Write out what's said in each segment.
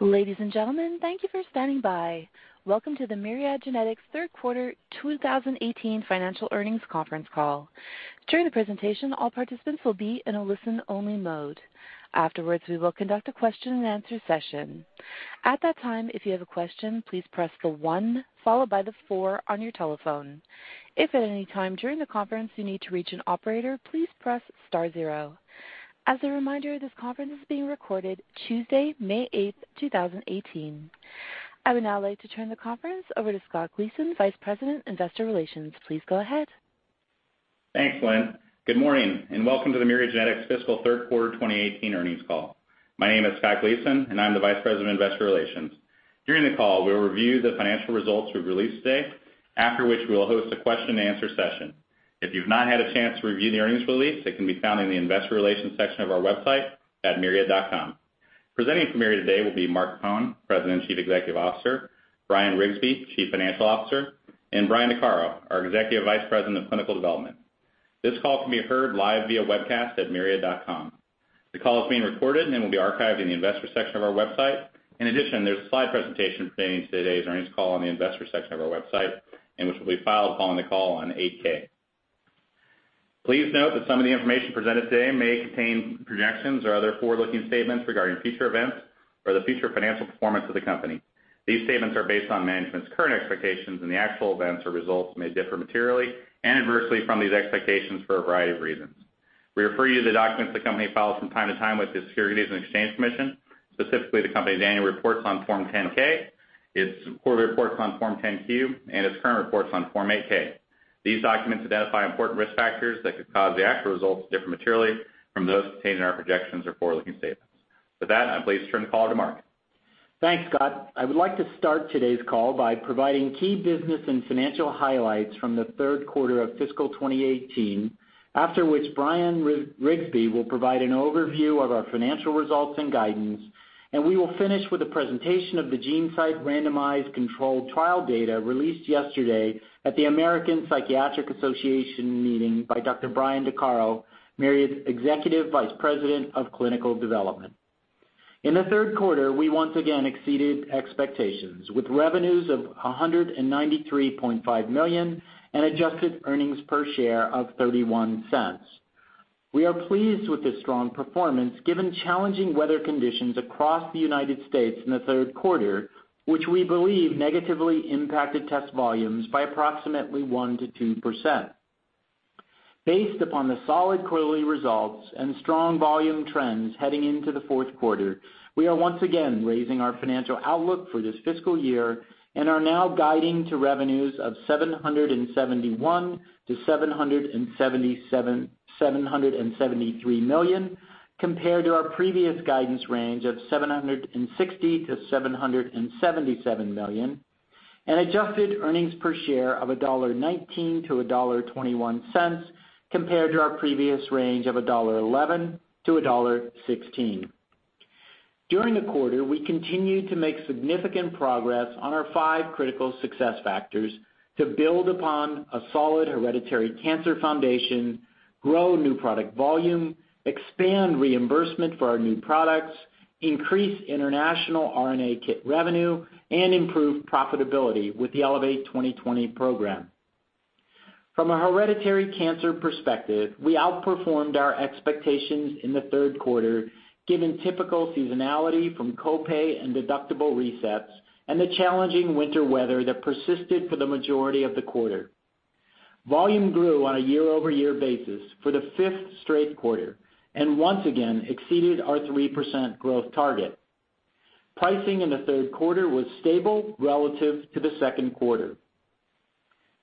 Ladies and gentlemen, thank you for standing by. Welcome to the Myriad Genetics' Third Quarter 2018 Financial Earnings Conference Call. During the presentation, all participants will be in a listen-only mode. Afterwards, we will conduct a question and answer session. At that time, if you have a question, please press the one followed by the four on your telephone. If at any time during the conference you need to reach an operator, please press star 0. As a reminder, this conference is being recorded Tuesday, May 8th, 2018. I would now like to turn the conference over to Scott Gleason, Vice President, Investor Relations. Please go ahead. Thanks, Lynn. Good morning, and welcome to the Myriad Genetics fiscal third quarter 2018 earnings call. My name is Scott Gleason, and I'm the Vice President of Investor Relations. During the call, we will review the financial results we've released today, after which we will host a question and answer session. If you've not had a chance to review the earnings release, it can be found in the investor relations section of our website at myriad.com. Presenting from Myriad today will be Mark Capone, President and Chief Executive Officer, Bryan Riggsbee, Chief Financial Officer, and Bryan M. Dechairo, our Executive Vice President of Clinical Development. This call can be heard live via webcast at myriad.com. The call is being recorded and will be archived in the investor section of our website. In addition, there's a slide presentation pertaining to today's earnings call on the investor section of our website, and which will be filed following the call on an 8-K. Please note that some of the information presented today may contain projections or other forward-looking statements regarding future events or the future financial performance of the company. These statements are based on management's current expectations, and the actual events or results may differ materially and adversely from these expectations for a variety of reasons. We refer you to the documents the company files from time to time with the Securities and Exchange Commission, specifically the company's annual reports on Form 10-K, its quarterly reports on Form 10-Q, and its current reports on Form 8-K. These documents identify important risk factors that could cause the actual results to differ materially from those contained in our projections or forward-looking statements. With that, I'm pleased to turn the call over to Mark. Thanks, Scott. I would like to start today's call by providing key business and financial highlights from the third quarter of fiscal 2018, after which Bryan Riggsbee will provide an overview of our financial results and guidance, and we will finish with a presentation of the GeneSight randomized controlled trial data released yesterday at the American Psychiatric Association meeting by Dr. Bryan Dechairo, Myriad's Executive Vice President of Clinical Development. In the third quarter, we once again exceeded expectations, with revenues of $193.5 million and adjusted earnings per share of $0.31. We are pleased with this strong performance, given challenging weather conditions across the United States in the third quarter, which we believe negatively impacted test volumes by approximately 1%-2%. Based upon the solid quarterly results and strong volume trends heading into the fourth quarter, we are once again raising our financial outlook for this fiscal year and are now guiding to revenues of $771 million-$773 million, compared to our previous guidance range of $760 million-$770 million and adjusted earnings per share of $1.19-$1.21, compared to our previous range of $1.11-$1.16. During the quarter, we continued to make significant progress on our five critical success factors to build upon a solid hereditary cancer foundation, grow new product volume, expand reimbursement for our new products, increase international RNA kit revenue, and improve profitability with the Elevate 2020 program. From a hereditary cancer perspective, we outperformed our expectations in the third quarter, given typical seasonality from copay and deductible resets and the challenging winter weather that persisted for the majority of the quarter. Volume grew on a year-over-year basis for the fifth straight quarter and once again exceeded our 3% growth target. Pricing in the third quarter was stable relative to the second quarter.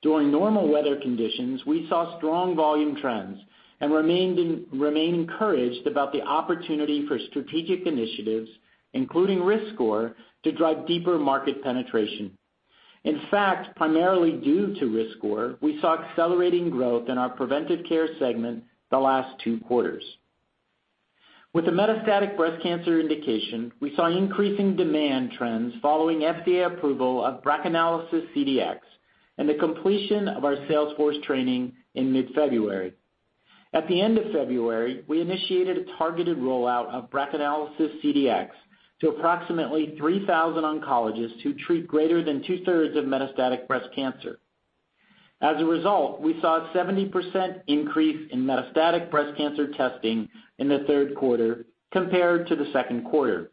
During normal weather conditions, we saw strong volume trends and remain encouraged about the opportunity for strategic initiatives, including riskScore, to drive deeper market penetration. In fact, primarily due to riskScore, we saw accelerating growth in our preventive care segment the last two quarters. With the metastatic breast cancer indication, we saw increasing demand trends following FDA approval of BRACAnalysis CDx and the completion of our sales force training in mid-February. At the end of February, we initiated a targeted rollout of BRACAnalysis CDx to approximately 3,000 oncologists who treat greater than two-thirds of metastatic breast cancer. As a result, we saw a 70% increase in metastatic breast cancer testing in the third quarter compared to the second quarter.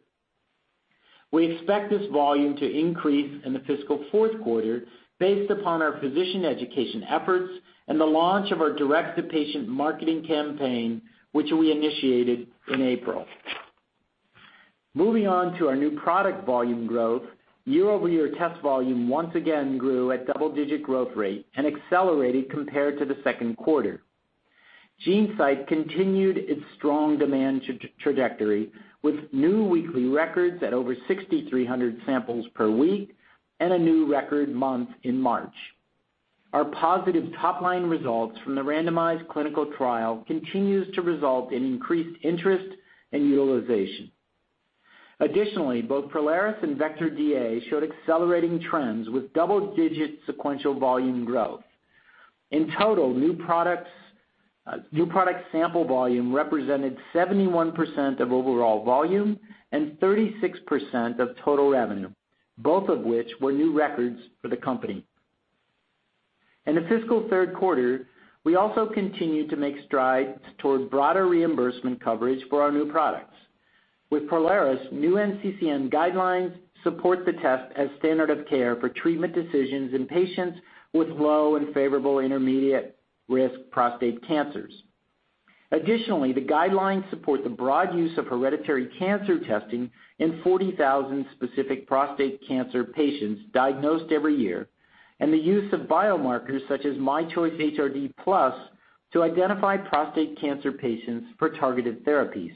We expect this volume to increase in the fiscal fourth quarter based upon our physician education efforts and the launch of our direct-to-patient marketing campaign, which we initiated in April. Moving on to our new product volume growth, year-over-year test volume once again grew at double-digit growth rate and accelerated compared to the second quarter. GeneSight continued its strong demand trajectory with new weekly records at over 6,300 samples per week and a new record month in March. Our positive top-line results from the randomized clinical trial continues to result in increased interest and utilization. Additionally, both Prolaris and Vectra DA showed accelerating trends with double-digit sequential volume growth. In total, new product sample volume represented 71% of overall volume and 36% of total revenue, both of which were new records for the company. In the fiscal third quarter, we also continued to make strides toward broader reimbursement coverage for our new products. With Prolaris, new NCCN guidelines support the test as standard of care for treatment decisions in patients with low and favorable intermediate-risk prostate cancers. Additionally, the guidelines support the broad use of hereditary cancer testing in 40,000 specific prostate cancer patients diagnosed every year, and the use of biomarkers such as myChoice HRD+ to identify prostate cancer patients for targeted therapies.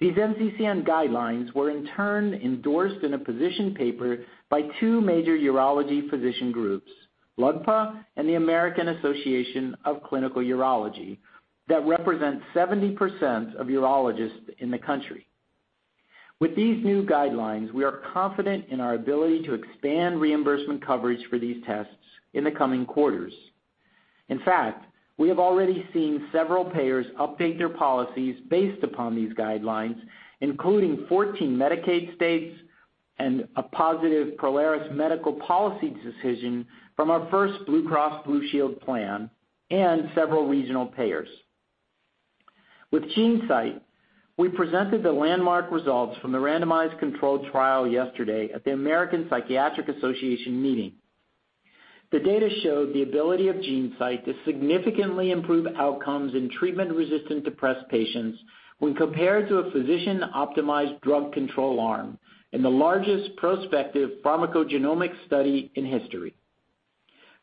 These NCCN guidelines were in turn endorsed in a position paper by two major urology physician groups, LUGPA and the American Association of Clinical Urologists, that represent 70% of urologists in the country. With these new guidelines, we are confident in our ability to expand reimbursement coverage for these tests in the coming quarters. In fact, we have already seen several payers update their policies based upon these guidelines, including 14 Medicaid states and a positive Prolaris medical policy decision from our first Blue Cross Blue Shield plan and several regional payers. With GeneSight, we presented the landmark results from the randomized controlled trial yesterday at the American Psychiatric Association meeting. The data showed the ability of GeneSight to significantly improve outcomes in treatment-resistant depressed patients when compared to a physician-optimized drug control arm in the largest prospective pharmacogenomic study in history.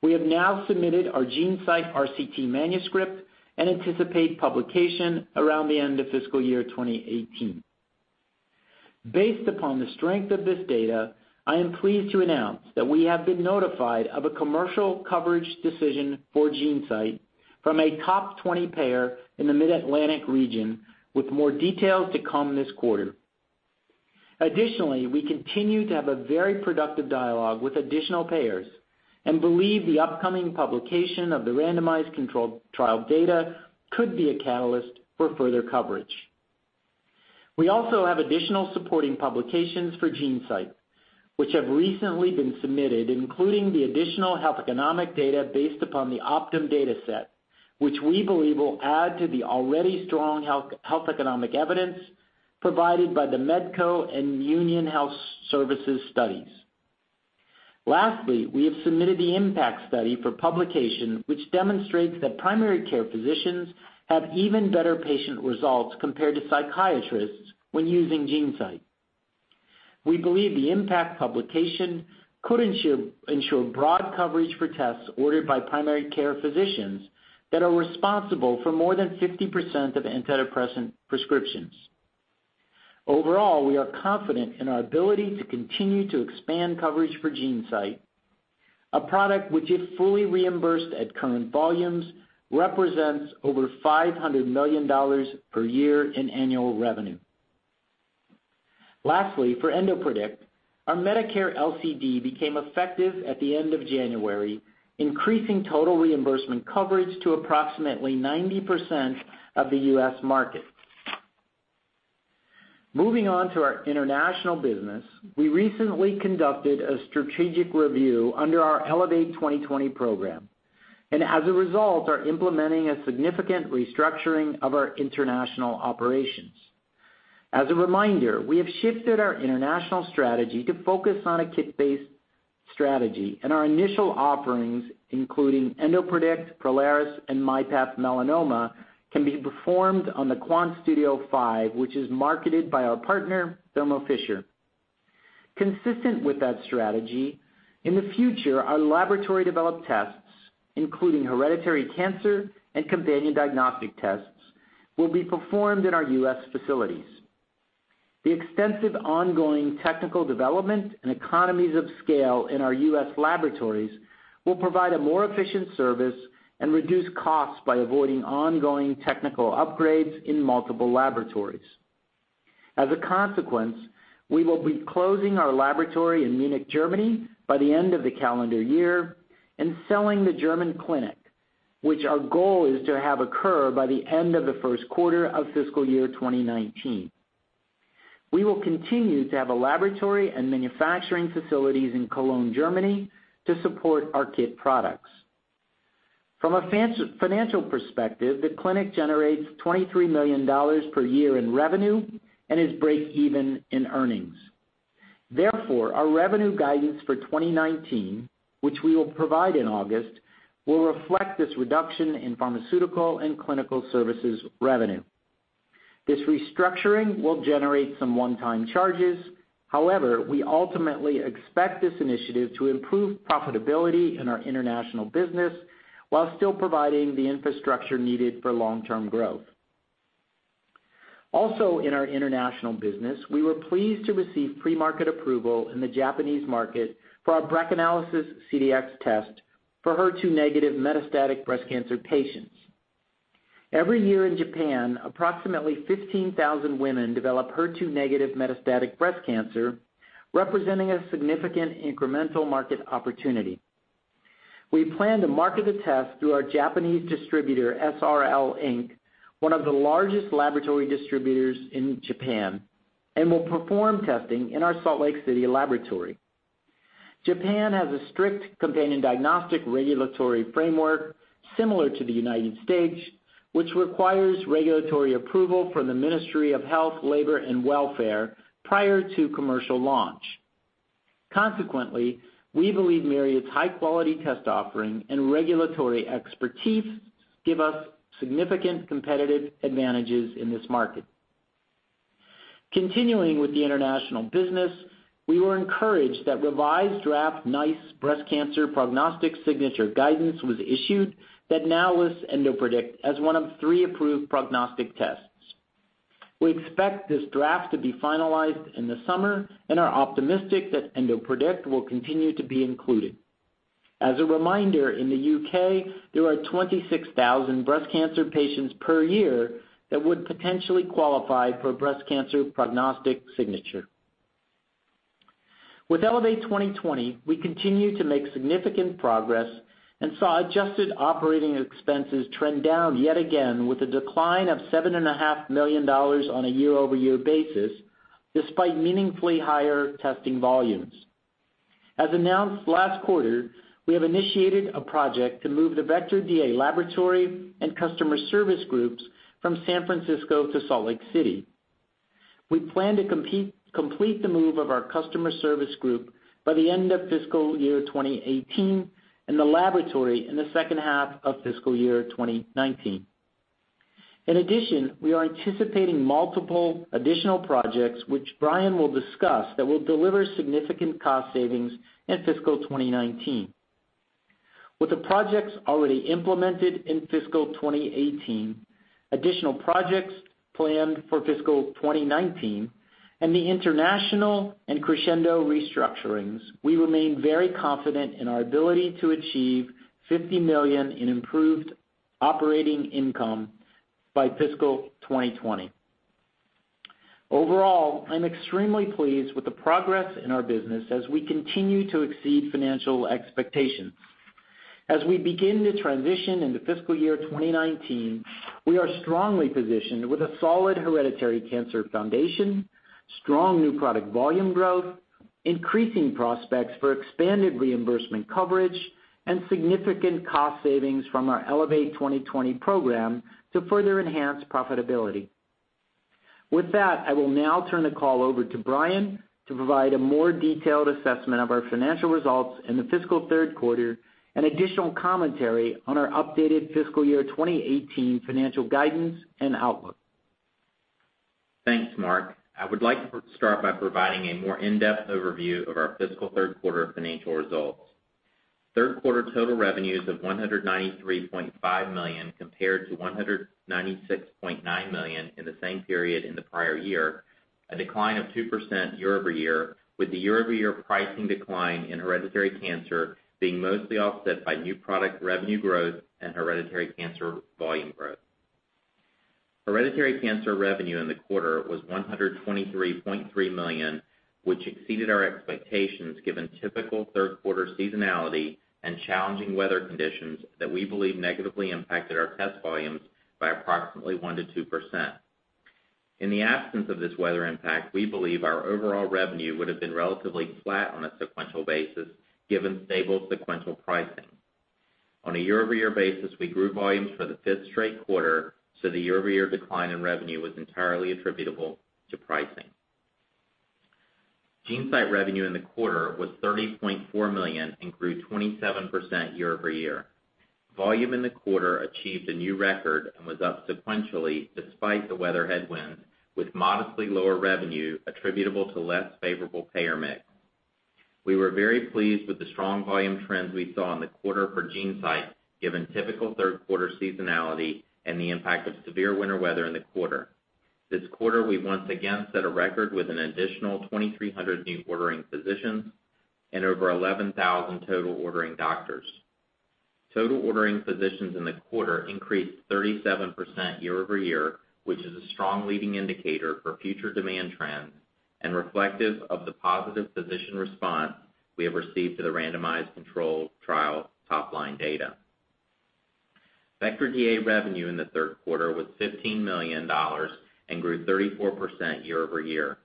We have now submitted our GeneSight RCT manuscript and anticipate publication around the end of fiscal year 2018. Based upon the strength of this data, I am pleased to announce that we have been notified of a commercial coverage decision for GeneSight from a top 20 payer in the Mid-Atlantic region, with more details to come this quarter. Additionally, we continue to have a very productive dialogue with additional payers and believe the upcoming publication of the randomized controlled trial data could be a catalyst for further coverage. We also have additional supporting publications for GeneSight, which have recently been submitted, including the additional health economic data based upon the Optum data set, which we believe will add to the already strong health economic evidence provided by the Medco and Union Health Services studies. Lastly, we have submitted the IMPACT study for publication, which demonstrates that primary care physicians have even better patient results compared to psychiatrists when using GeneSight. We believe the impact publication could ensure broad coverage for tests ordered by primary care physicians that are responsible for more than 50% of antidepressant prescriptions. Overall, we are confident in our ability to continue to expand coverage for GeneSight, a product which, if fully reimbursed at current volumes, represents over $500 million per year in annual revenue. Lastly, for EndoPredict, our Medicare LCD became effective at the end of January, increasing total reimbursement coverage to approximately 90% of the U.S. market. Moving on to our international business, we recently conducted a strategic review under our Elevate 2020 program, and as a result, are implementing a significant restructuring of our international operations. As a reminder, we have shifted our international strategy to focus on a kit-based strategy, and our initial offerings, including EndoPredict, Prolaris, and myPath Melanoma, can be performed on the QuantStudio 5, which is marketed by our partner, Thermo Fisher. Consistent with that strategy, in the future, our laboratory-developed tests, including hereditary cancer and companion diagnostic tests, will be performed in our U.S. facilities. The extensive ongoing technical development and economies of scale in our U.S. laboratories will provide a more efficient service and reduce costs by avoiding ongoing technical upgrades in multiple laboratories. As a consequence, we will be closing our laboratory in Munich, Germany by the end of the calendar year and selling the German clinic, which our goal is to have occur by the end of the first quarter of fiscal year 2019. We will continue to have a laboratory and manufacturing facilities in Cologne, Germany to support our kit products. From a financial perspective, the clinic generates $23 million per year in revenue and is break even in earnings. Therefore, our revenue guidance for 2019, which we will provide in August, will reflect this reduction in pharmaceutical and clinical services revenue. This restructuring will generate some one-time charges. However, we ultimately expect this initiative to improve profitability in our international business while still providing the infrastructure needed for long-term growth. Also in our international business, we were pleased to receive pre-market approval in the Japanese market for our BRACAnalysis CDx test for HER2-negative metastatic breast cancer patients. Every year in Japan, approximately 15,000 women develop HER2-negative metastatic breast cancer, representing a significant incremental market opportunity. We plan to market the test through our Japanese distributor, SRL, Inc., one of the largest laboratory distributors in Japan, and will perform testing in our Salt Lake City laboratory. Japan has a strict companion diagnostic regulatory framework similar to the U.S., which requires regulatory approval from the Ministry of Health, Labour and Welfare prior to commercial launch. Consequently, we believe Myriad's high-quality test offering and regulatory expertise give us significant competitive advantages in this market. Continuing with the international business, we were encouraged that revised draft NICE breast cancer prognostic signature guidance was issued that now lists EndoPredict as one of 3 approved prognostic tests. We expect this draft to be finalized in the summer and are optimistic that EndoPredict will continue to be included. As a reminder, in the U.K., there are 26,000 breast cancer patients per year that would potentially qualify for a breast cancer prognostic signature. With Elevate 2020, we continue to make significant progress and saw adjusted operating expenses trend down yet again with a decline of $7.5 million on a year-over-year basis, despite meaningfully higher testing volumes. As announced last quarter, we have initiated a project to move the Vectra DA laboratory and customer service groups from San Francisco to Salt Lake City. We plan to complete the move of our customer service group by the end of fiscal year 2018 and the laboratory in the second half of fiscal year 2019. In addition, we are anticipating multiple additional projects, which Bryan will discuss, that will deliver significant cost savings in fiscal 2019. With the projects already implemented in fiscal 2018, additional projects planned for fiscal 2019, and the international and Crescendo restructurings, we remain very confident in our ability to achieve $50 million in improved operating income by fiscal 2020. Overall, I'm extremely pleased with the progress in our business as we continue to exceed financial expectations. As we begin to transition into fiscal year 2019, we are strongly positioned with a solid hereditary cancer foundation, strong new product volume growth, increasing prospects for expanded reimbursement coverage, and significant cost savings from our Elevate 2020 program to further enhance profitability. With that, I will now turn the call over to Bryan to provide a more detailed assessment of our financial results in the fiscal third quarter and additional commentary on our updated fiscal year 2018 financial guidance and outlook. Thanks, Mark. I would like to start by providing a more in-depth overview of our fiscal third quarter financial results. Third quarter total revenues of $193.5 million compared to $196.9 million in the same period in the prior year, a decline of 2% year-over-year, with the year-over-year pricing decline in hereditary cancer being mostly offset by new product revenue growth and hereditary cancer volume growth. Hereditary cancer revenue in the quarter was $123.3 million, which exceeded our expectations given typical third quarter seasonality and challenging weather conditions that we believe negatively impacted our test volumes by approximately 1%-2%. In the absence of this weather impact, we believe our overall revenue would have been relatively flat on a sequential basis, given stable sequential pricing. On a year-over-year basis, we grew volumes for the fifth straight quarter, so the year-over-year decline in revenue was entirely attributable to pricing. GeneSight revenue in the quarter was $30.4 million and grew 27% year-over-year. Volume in the quarter achieved a new record and was up sequentially despite the weather headwinds, with modestly lower revenue attributable to less favorable payer mix. We were very pleased with the strong volume trends we saw in the quarter for GeneSight, given typical third quarter seasonality and the impact of severe winter weather in the quarter. This quarter, we once again set a record with an additional 2,300 new ordering physicians and over 11,000 total ordering doctors. Total ordering physicians in the quarter increased 37% year-over-year, which is a strong leading indicator for future demand trends and reflective of the positive physician response we have received to the randomized control trial top-line data. Vectra DA revenue in the third quarter was $15 million and grew 34% year-over-year.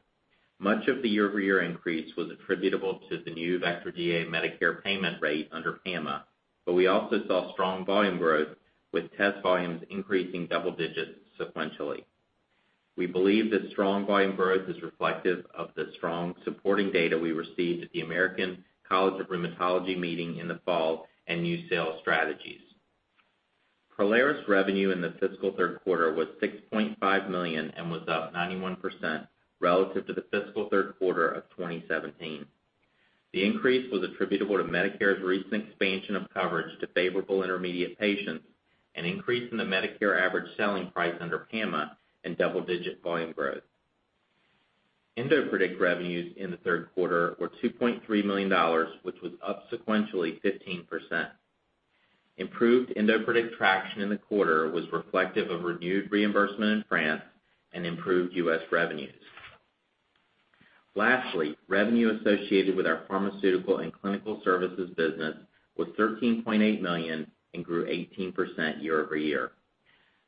Much of the year-over-year increase was attributable to the new Vectra DA Medicare payment rate under PAMA, but we also saw strong volume growth, with test volumes increasing double digits sequentially. We believe this strong volume growth is reflective of the strong supporting data we received at the American College of Rheumatology meeting in the fall and new sales strategies. Prolaris revenue in the fiscal third quarter was $6.5 million and was up 91% relative to the fiscal third quarter of 2017. The increase was attributable to Medicare's recent expansion of coverage to favorable intermediate patients, an increase in the Medicare average selling price under PAMA, and double-digit volume growth. EndoPredict revenues in the third quarter were $2.3 million, which was up sequentially 15%. Improved EndoPredict traction in the quarter was reflective of renewed reimbursement in France and improved U.S. revenues. Lastly, revenue associated with our pharmaceutical and clinical services business was $13.8 million and grew 18% year-over-year.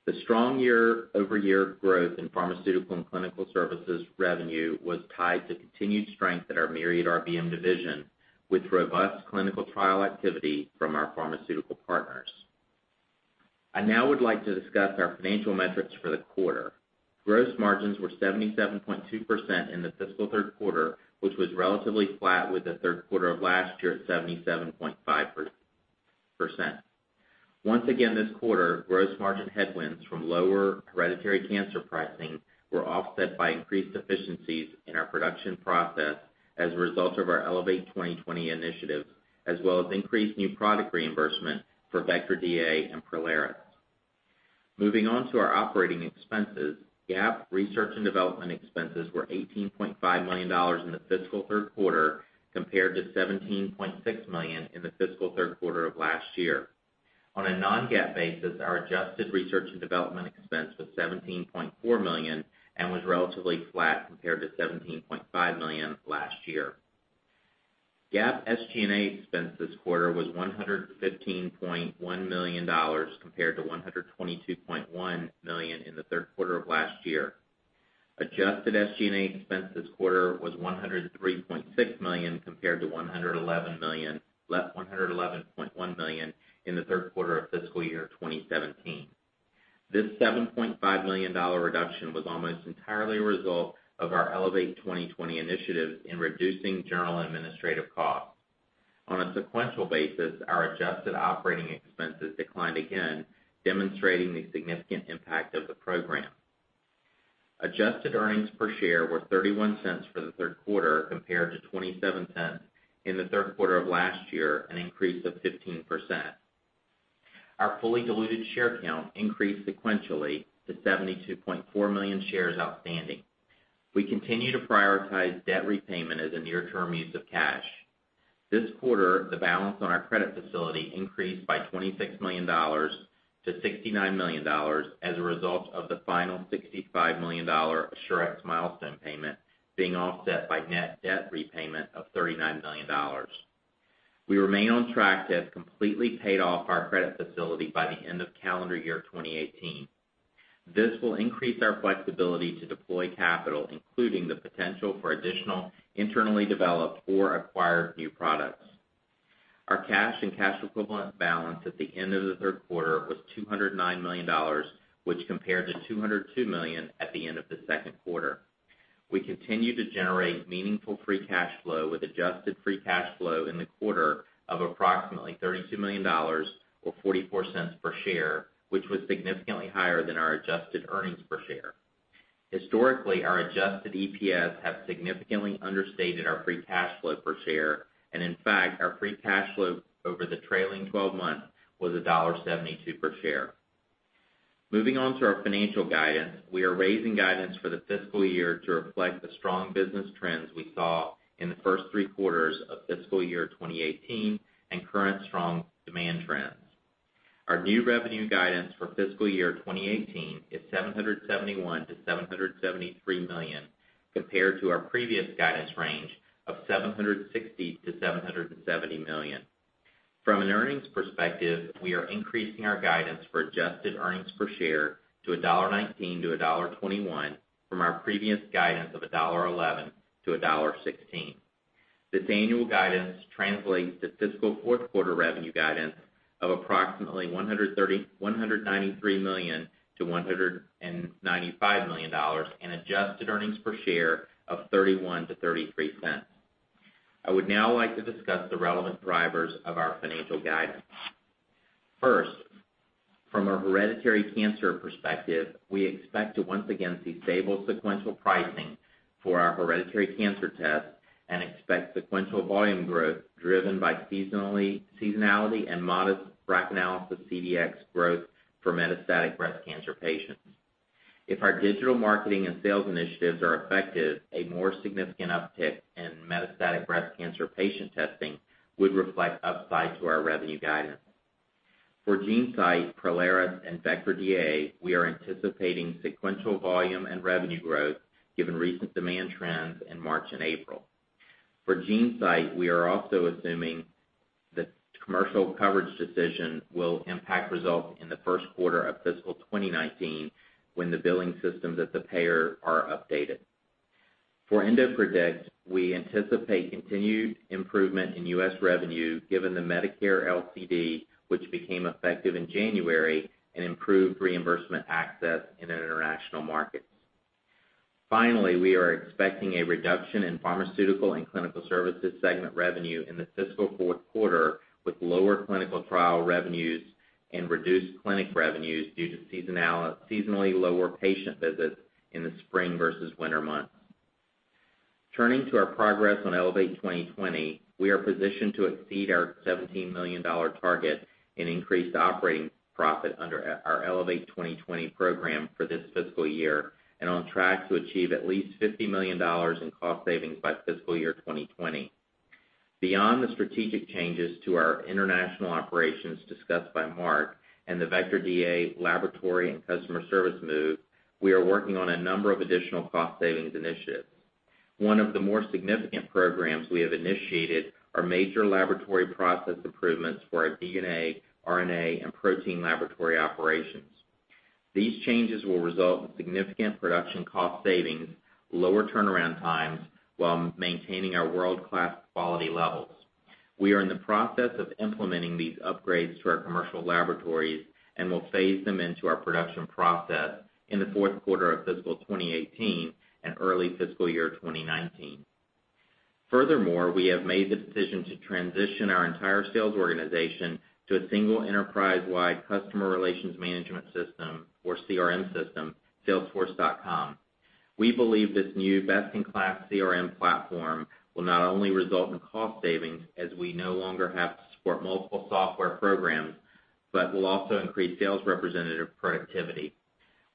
The strong year-over-year growth in pharmaceutical and clinical services revenue was tied to continued strength at our Myriad RBM division, with robust clinical trial activity from our pharmaceutical partners. I now would like to discuss our financial metrics for the quarter. Gross margins were 77.2% in the fiscal third quarter, which was relatively flat with the third quarter of last year at 77.5%. Once again this quarter, gross margin headwinds from lower hereditary cancer pricing were offset by increased efficiencies in our production process as a result of our Elevate 2020 initiative, as well as increased new product reimbursement for Vectra DA and Prolaris. Moving on to our operating expenses, GAAP research and development expenses were $18.5 million in the fiscal third quarter, compared to $17.6 million in the fiscal third quarter of last year. On a non-GAAP basis, our adjusted research and development expense was $17.4 million and was relatively flat compared to $17.5 million last year. GAAP SG&A expense this quarter was $115.1 million, compared to $122.1 million in the third quarter of last year. Adjusted SG&A expense this quarter was $103.6 million compared to $111.1 million in the third quarter of fiscal year 2017. This $7.5 million reduction was almost entirely a result of our Elevate 2020 initiatives in reducing general administrative costs. On a sequential basis, our adjusted operating expenses declined again, demonstrating the significant impact of the program. Adjusted earnings per share were $0.31 for the third quarter, compared to $0.27 in the third quarter of last year, an increase of 15%. Our fully diluted share count increased sequentially to 72.4 million shares outstanding. We continue to prioritize debt repayment as a near-term use of cash. This quarter, the balance on our credit facility increased by $26 million to $69 million as a result of the final $65 million Assurex milestone payment being offset by net debt repayment of $39 million. We remain on track to have completely paid off our credit facility by the end of calendar year 2018. This will increase our flexibility to deploy capital, including the potential for additional internally developed or acquired new products. Our cash and cash equivalent balance at the end of the third quarter was $209 million, which compared to $202 million at the end of the second quarter. We continue to generate meaningful free cash flow, with adjusted free cash flow in the quarter of approximately $32 million or $0.44 per share, which was significantly higher than our adjusted earnings per share. In fact, our free cash flow over the trailing 12 months was $1.72 per share. Moving on to our financial guidance, we are raising guidance for the fiscal year to reflect the strong business trends we saw in the first three quarters of fiscal year 2018 and current strong demand trends. Our new revenue guidance for FY 2018 is $771 million-$773 million, compared to our previous guidance range of $760 million-$770 million. From an earnings perspective, we are increasing our guidance for adjusted earnings per share to $1.19-$1.21 from our previous guidance of $1.11-$1.16. This annual guidance translates to fiscal fourth quarter revenue guidance of approximately $193 million-$195 million and adjusted earnings per share of $0.31-$0.33. I would now like to discuss the relevant drivers of our financial guidance. First, from a hereditary cancer perspective, we expect to once again see stable sequential pricing for our hereditary cancer tests and expect sequential volume growth driven by seasonality and modest BRACAnalysis CDx growth for metastatic breast cancer patients. If our digital marketing and sales initiatives are effective, a more significant uptick in metastatic breast cancer patient testing would reflect upside to our revenue guidance. For GeneSight, Prolaris, and Vectra DA, we are anticipating sequential volume and revenue growth given recent demand trends in March and April. For GeneSight, we are also assuming the commercial coverage decision will impact results in the first quarter of FY 2019 when the billing systems at the payer are updated. For EndoPredict, we anticipate continued improvement in U.S. revenue given the Medicare LCD, which became effective in January, and improved reimbursement access in international markets. Finally, we are expecting a reduction in pharmaceutical and clinical services segment revenue in the fiscal fourth quarter with lower clinical trial revenues and reduced clinic revenues due to seasonally lower patient visits in the spring versus winter months. Turning to our progress on Elevate 2020, we are positioned to exceed our $17 million target in increased operating profit under our Elevate 2020 program for this fiscal year and on track to achieve at least $50 million in cost savings by FY 2020. Beyond the strategic changes to our international operations discussed by Mark and the Vectra DA laboratory and customer service move, we are working on a number of additional cost savings initiatives. One of the more significant programs we have initiated are major laboratory process improvements for our DNA, RNA, and protein laboratory operations. These changes will result in significant production cost savings, lower turnaround times, while maintaining our world-class quality levels. We are in the process of implementing these upgrades to our commercial laboratories and will phase them into our production process in the fourth quarter of FY 2018 and early FY 2019. We have made the decision to transition our entire sales organization to a single enterprise-wide customer relationship management system or CRM system, salesforce.com. We believe this new best-in-class CRM platform will not only result in cost savings as we no longer have to support multiple software programs, but will also increase sales representative productivity.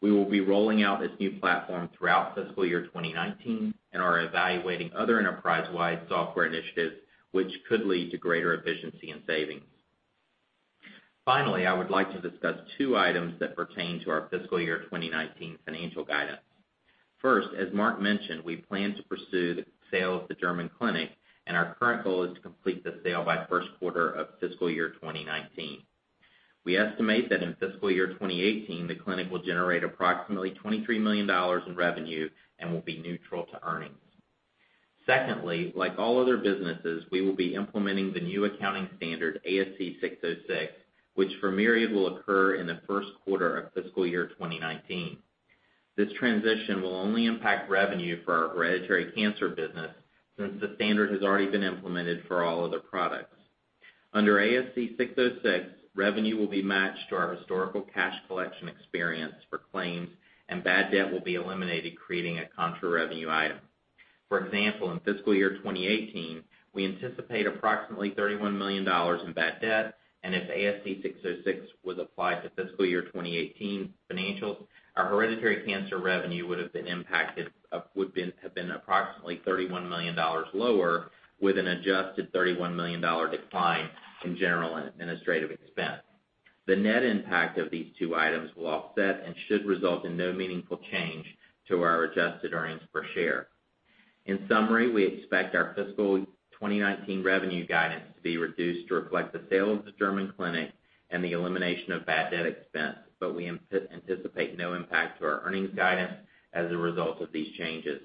We will be rolling out this new platform throughout FY 2019 and are evaluating other enterprise-wide software initiatives which could lead to greater efficiency and savings. Finally, I would like to discuss two items that pertain to our FY 2019 financial guidance. First, as Mark mentioned, we plan to pursue the sale of the German clinic, and our current goal is to complete the sale by first quarter of FY 2019. We estimate that in fiscal year 2018, the clinic will generate approximately $23 million in revenue and will be neutral to earnings. Secondly, like all other businesses, we will be implementing the new accounting standard, ASC 606, which for Myriad will occur in the first quarter of fiscal year 2019. This transition will only impact revenue for our hereditary cancer business since the standard has already been implemented for all other products. Under ASC 606, revenue will be matched to our historical cash collection experience for claims, and bad debt will be eliminated, creating a contra revenue item. For example, in fiscal year 2018, we anticipate approximately $31 million in bad debt, and if ASC 606 was applied to fiscal year 2018 financials, our hereditary cancer revenue would have been approximately $31 million lower with an adjusted $31 million decline in general and administrative expense. The net impact of these two items will offset and should result in no meaningful change to our adjusted earnings per share. In summary, we expect our fiscal 2019 revenue guidance to be reduced to reflect the sale of the German clinic and the elimination of bad debt expense, we anticipate no impact to our earnings guidance as a result of these changes.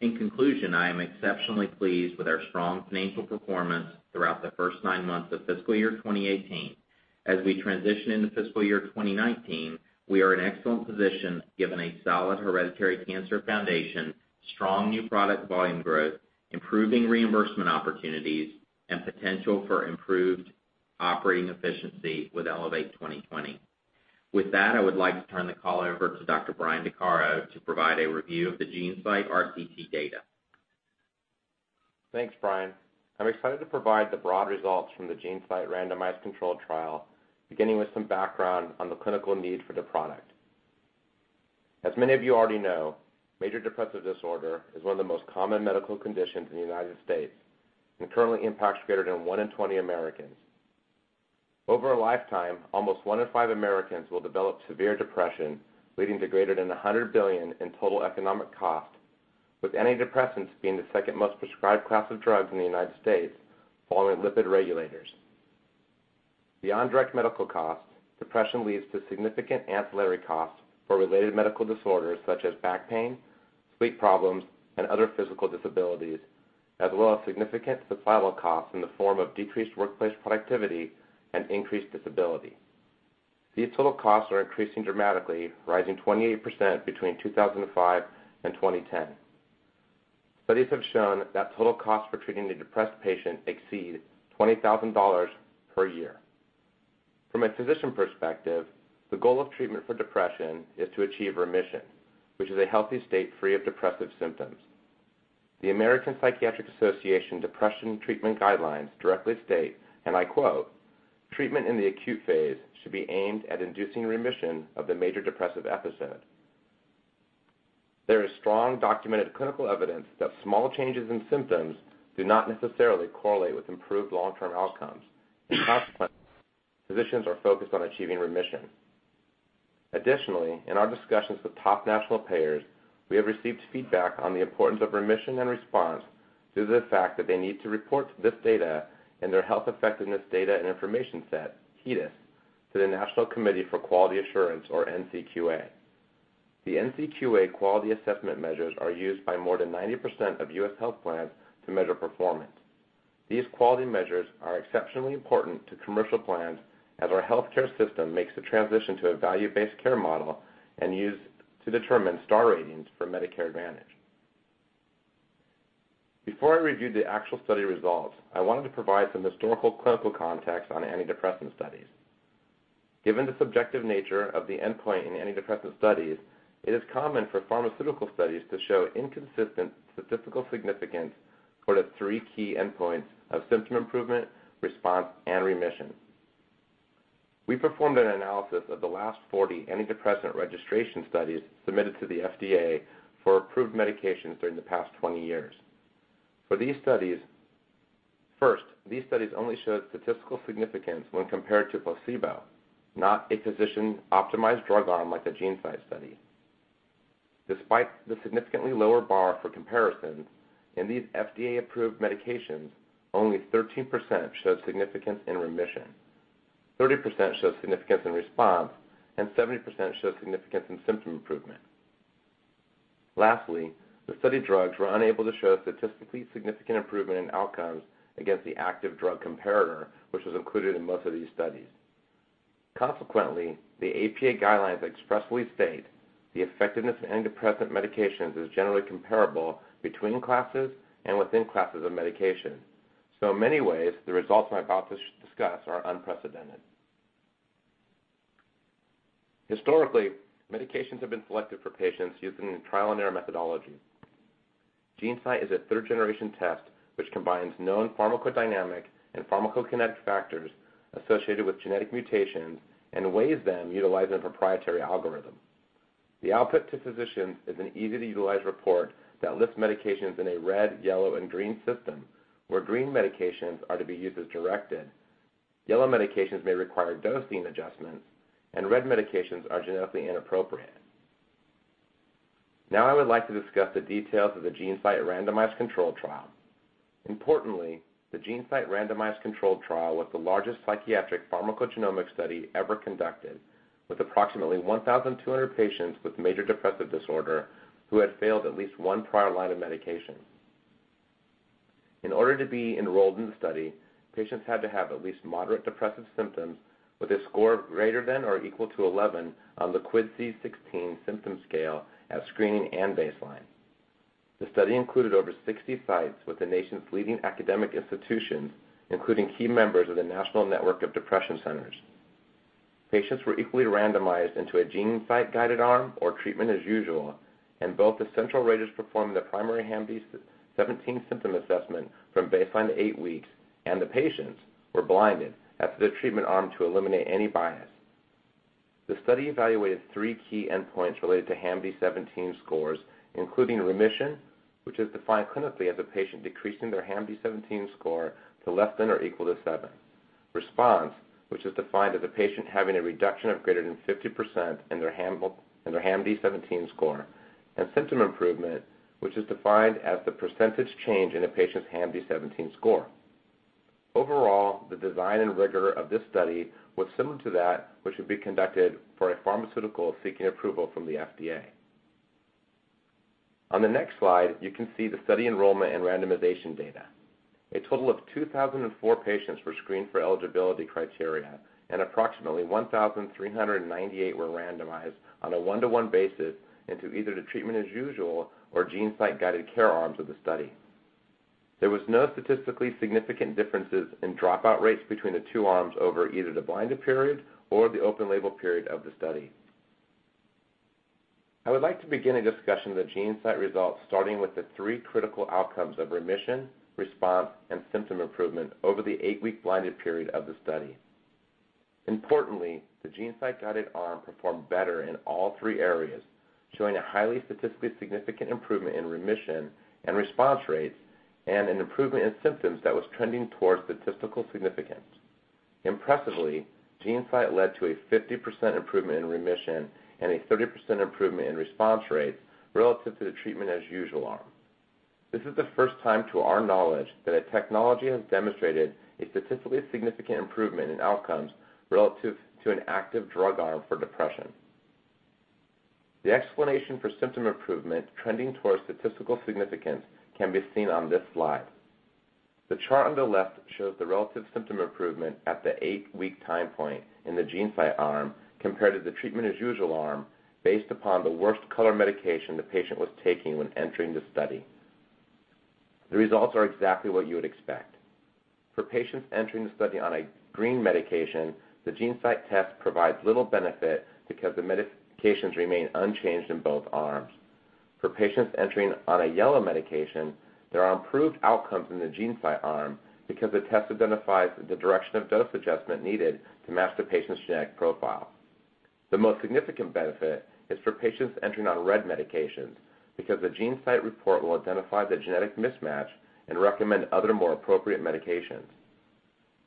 In conclusion, I am exceptionally pleased with our strong financial performance throughout the first nine months of fiscal year 2018. As we transition into fiscal year 2019, we are in excellent position given a solid hereditary cancer foundation, strong new product volume growth, improving reimbursement opportunities, and potential for improved operating efficiency with Elevate 2020. With that, I would like to turn the call over to Dr. Bryan Dechairo to provide a review of the GeneSight RCT data. Thanks, Bryan. I'm excited to provide the broad results from the GeneSight randomized control trial, beginning with some background on the clinical need for the product. As many of you already know, major depressive disorder is one of the most common medical conditions in the United States and currently impacts greater than 1 in 20 Americans. Over a lifetime, almost one in five Americans will develop severe depression, leading to greater than $100 billion in total economic cost, with antidepressants being the second most prescribed class of drugs in the United States, following lipid regulators. Beyond direct medical costs, depression leads to significant ancillary costs for related medical disorders such as back pain, sleep problems, and other physical disabilities, as well as significant societal costs in the form of decreased workplace productivity and increased disability. These total costs are increasing dramatically, rising 28% between 2005 and 2010. Studies have shown that total costs for treating a depressed patient exceed $20,000 per year. From a physician perspective, the goal of treatment for depression is to achieve remission, which is a healthy state free of depressive symptoms. The American Psychiatric Association Depression Treatment Guidelines directly state, I quote, "Treatment in the acute phase should be aimed at inducing remission of the major depressive episode." There is strong documented clinical evidence that small changes in symptoms do not necessarily correlate with improved long-term outcomes. In consequence, physicians are focused on achieving remission. Additionally, in our discussions with top national payers, we have received feedback on the importance of remission and response due to the fact that they need to report this data in their Health Effectiveness Data and Information Set, HEDIS, to the National Committee for Quality Assurance or NCQA. The NCQA quality assessment measures are used by more than 90% of U.S. health plans to measure performance. These quality measures are exceptionally important to commercial plans as our healthcare system makes the transition to a value-based care model and used to determine star ratings for Medicare Advantage. Before I review the actual study results, I wanted to provide some historical clinical context on antidepressant studies. Given the subjective nature of the endpoint in antidepressant studies, it is common for pharmaceutical studies to show inconsistent statistical significance for the three key endpoints of symptom improvement, response, and remission. We performed an analysis of the last 40 antidepressant registration studies submitted to the FDA for approved medications during the past 20 years. These studies only showed statistical significance when compared to placebo, not a physician-optimized drug arm like a GeneSight study. Despite the significantly lower bar for comparison in these FDA-approved medications, only 13% showed significance in remission, 30% showed significance in response, and 70% showed significance in symptom improvement. The study drugs were unable to show statistically significant improvement in outcomes against the active drug comparator, which was included in most of these studies. Consequently, the APA guidelines expressly state the effectiveness of antidepressant medications is generally comparable between classes and within classes of medication. In many ways, the results I'm about to discuss are unprecedented. Historically, medications have been selected for patients using a trial-and-error methodology. GeneSight is a third-generation test which combines known pharmacodynamic and pharmacokinetic factors associated with genetic mutations and weighs them utilizing a proprietary algorithm. The output to physicians is an easy-to-utilize report that lists medications in a red, yellow, and green system, where green medications are to be used as directed, yellow medications may require dosing adjustments, and red medications are genetically inappropriate. Now I would like to discuss the details of the GeneSight randomized controlled trial. Importantly, the GeneSight randomized controlled trial was the largest psychiatric pharmacogenomic study ever conducted, with approximately 1,200 patients with major depressive disorder who had failed at least one prior line of medication. In order to be enrolled in the study, patients had to have at least moderate depressive symptoms with a score greater than or equal to 11 on the QIDS-C16 symptom scale at screening and baseline. The study included over 60 sites with the nation's leading academic institutions, including key members of the National Network of Depression Centers. Patients were equally randomized into a GeneSight-guided arm or treatment as usual, and both the central raters performing the primary HAM-D17 symptom assessment from baseline to eight weeks and the patients were blinded as to the treatment arm to eliminate any bias. The study evaluated three key endpoints related to HAM-D17 scores, including remission, which is defined clinically as a patient decreasing their HAM-D17 score to less than or equal to seven. Response, which is defined as a patient having a reduction of greater than 50% in their HAM-D17 score. Symptom improvement, which is defined as the percentage change in a patient's HAM-D17 score. Overall, the design and rigor of this study was similar to that which would be conducted for a pharmaceutical seeking approval from the FDA. On the next slide, you can see the study enrollment and randomization data. A total of 2,004 patients were screened for eligibility criteria, and approximately 1,398 were randomized on a one-to-one basis into either the treatment as usual or GeneSight-guided care arms of the study. There was no statistically significant differences in dropout rates between the two arms over either the blinded period or the open label period of the study. I would like to begin a discussion of the GeneSight results, starting with the three critical outcomes of remission, response, and symptom improvement over the eight-week blinded period of the study. Importantly, the GeneSight-guided arm performed better in all three areas, showing a highly statistically significant improvement in remission and response rates and an improvement in symptoms that was trending towards statistical significance. Impressively, GeneSight led to a 50% improvement in remission and a 30% improvement in response rates relative to the treatment as usual arm. This is the first time, to our knowledge, that a technology has demonstrated a statistically significant improvement in outcomes relative to an active drug arm for depression. The explanation for symptom improvement trending towards statistical significance can be seen on this slide. The chart on the left shows the relative symptom improvement at the eight-week time point in the GeneSight arm compared to the treatment as usual arm based upon the worst color medication the patient was taking when entering the study. The results are exactly what you would expect. For patients entering the study on a green medication, the GeneSight test provides little benefit because the medications remain unchanged in both arms. For patients entering on a yellow medication, there are improved outcomes in the GeneSight arm because the test identifies the direction of dose adjustment needed to match the patient's genetic profile. The most significant benefit is for patients entering on red medications because the GeneSight report will identify the genetic mismatch and recommend other, more appropriate medications.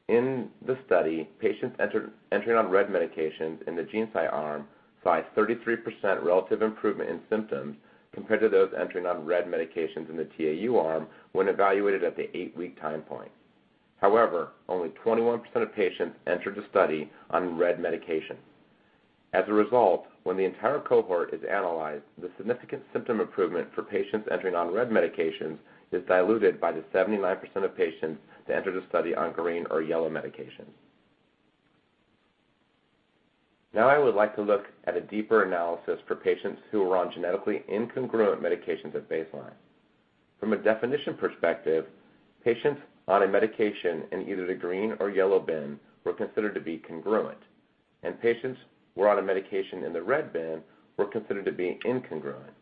In the study, patients entering on red medications in the GeneSight arm saw a 33% relative improvement in symptoms compared to those entering on red medications in the TAU arm when evaluated at the eight-week time point. However, only 21% of patients entered the study on red medication. As a result, when the entire cohort is analyzed, the significant symptom improvement for patients entering on red medications is diluted by the 79% of patients that entered the study on green or yellow medications. Now I would like to look at a deeper analysis for patients who were on genetically incongruent medications at baseline. From a definition perspective, patients on a medication in either the green or yellow bin were considered to be congruent, and patients who were on a medication in the red bin were considered to be incongruent.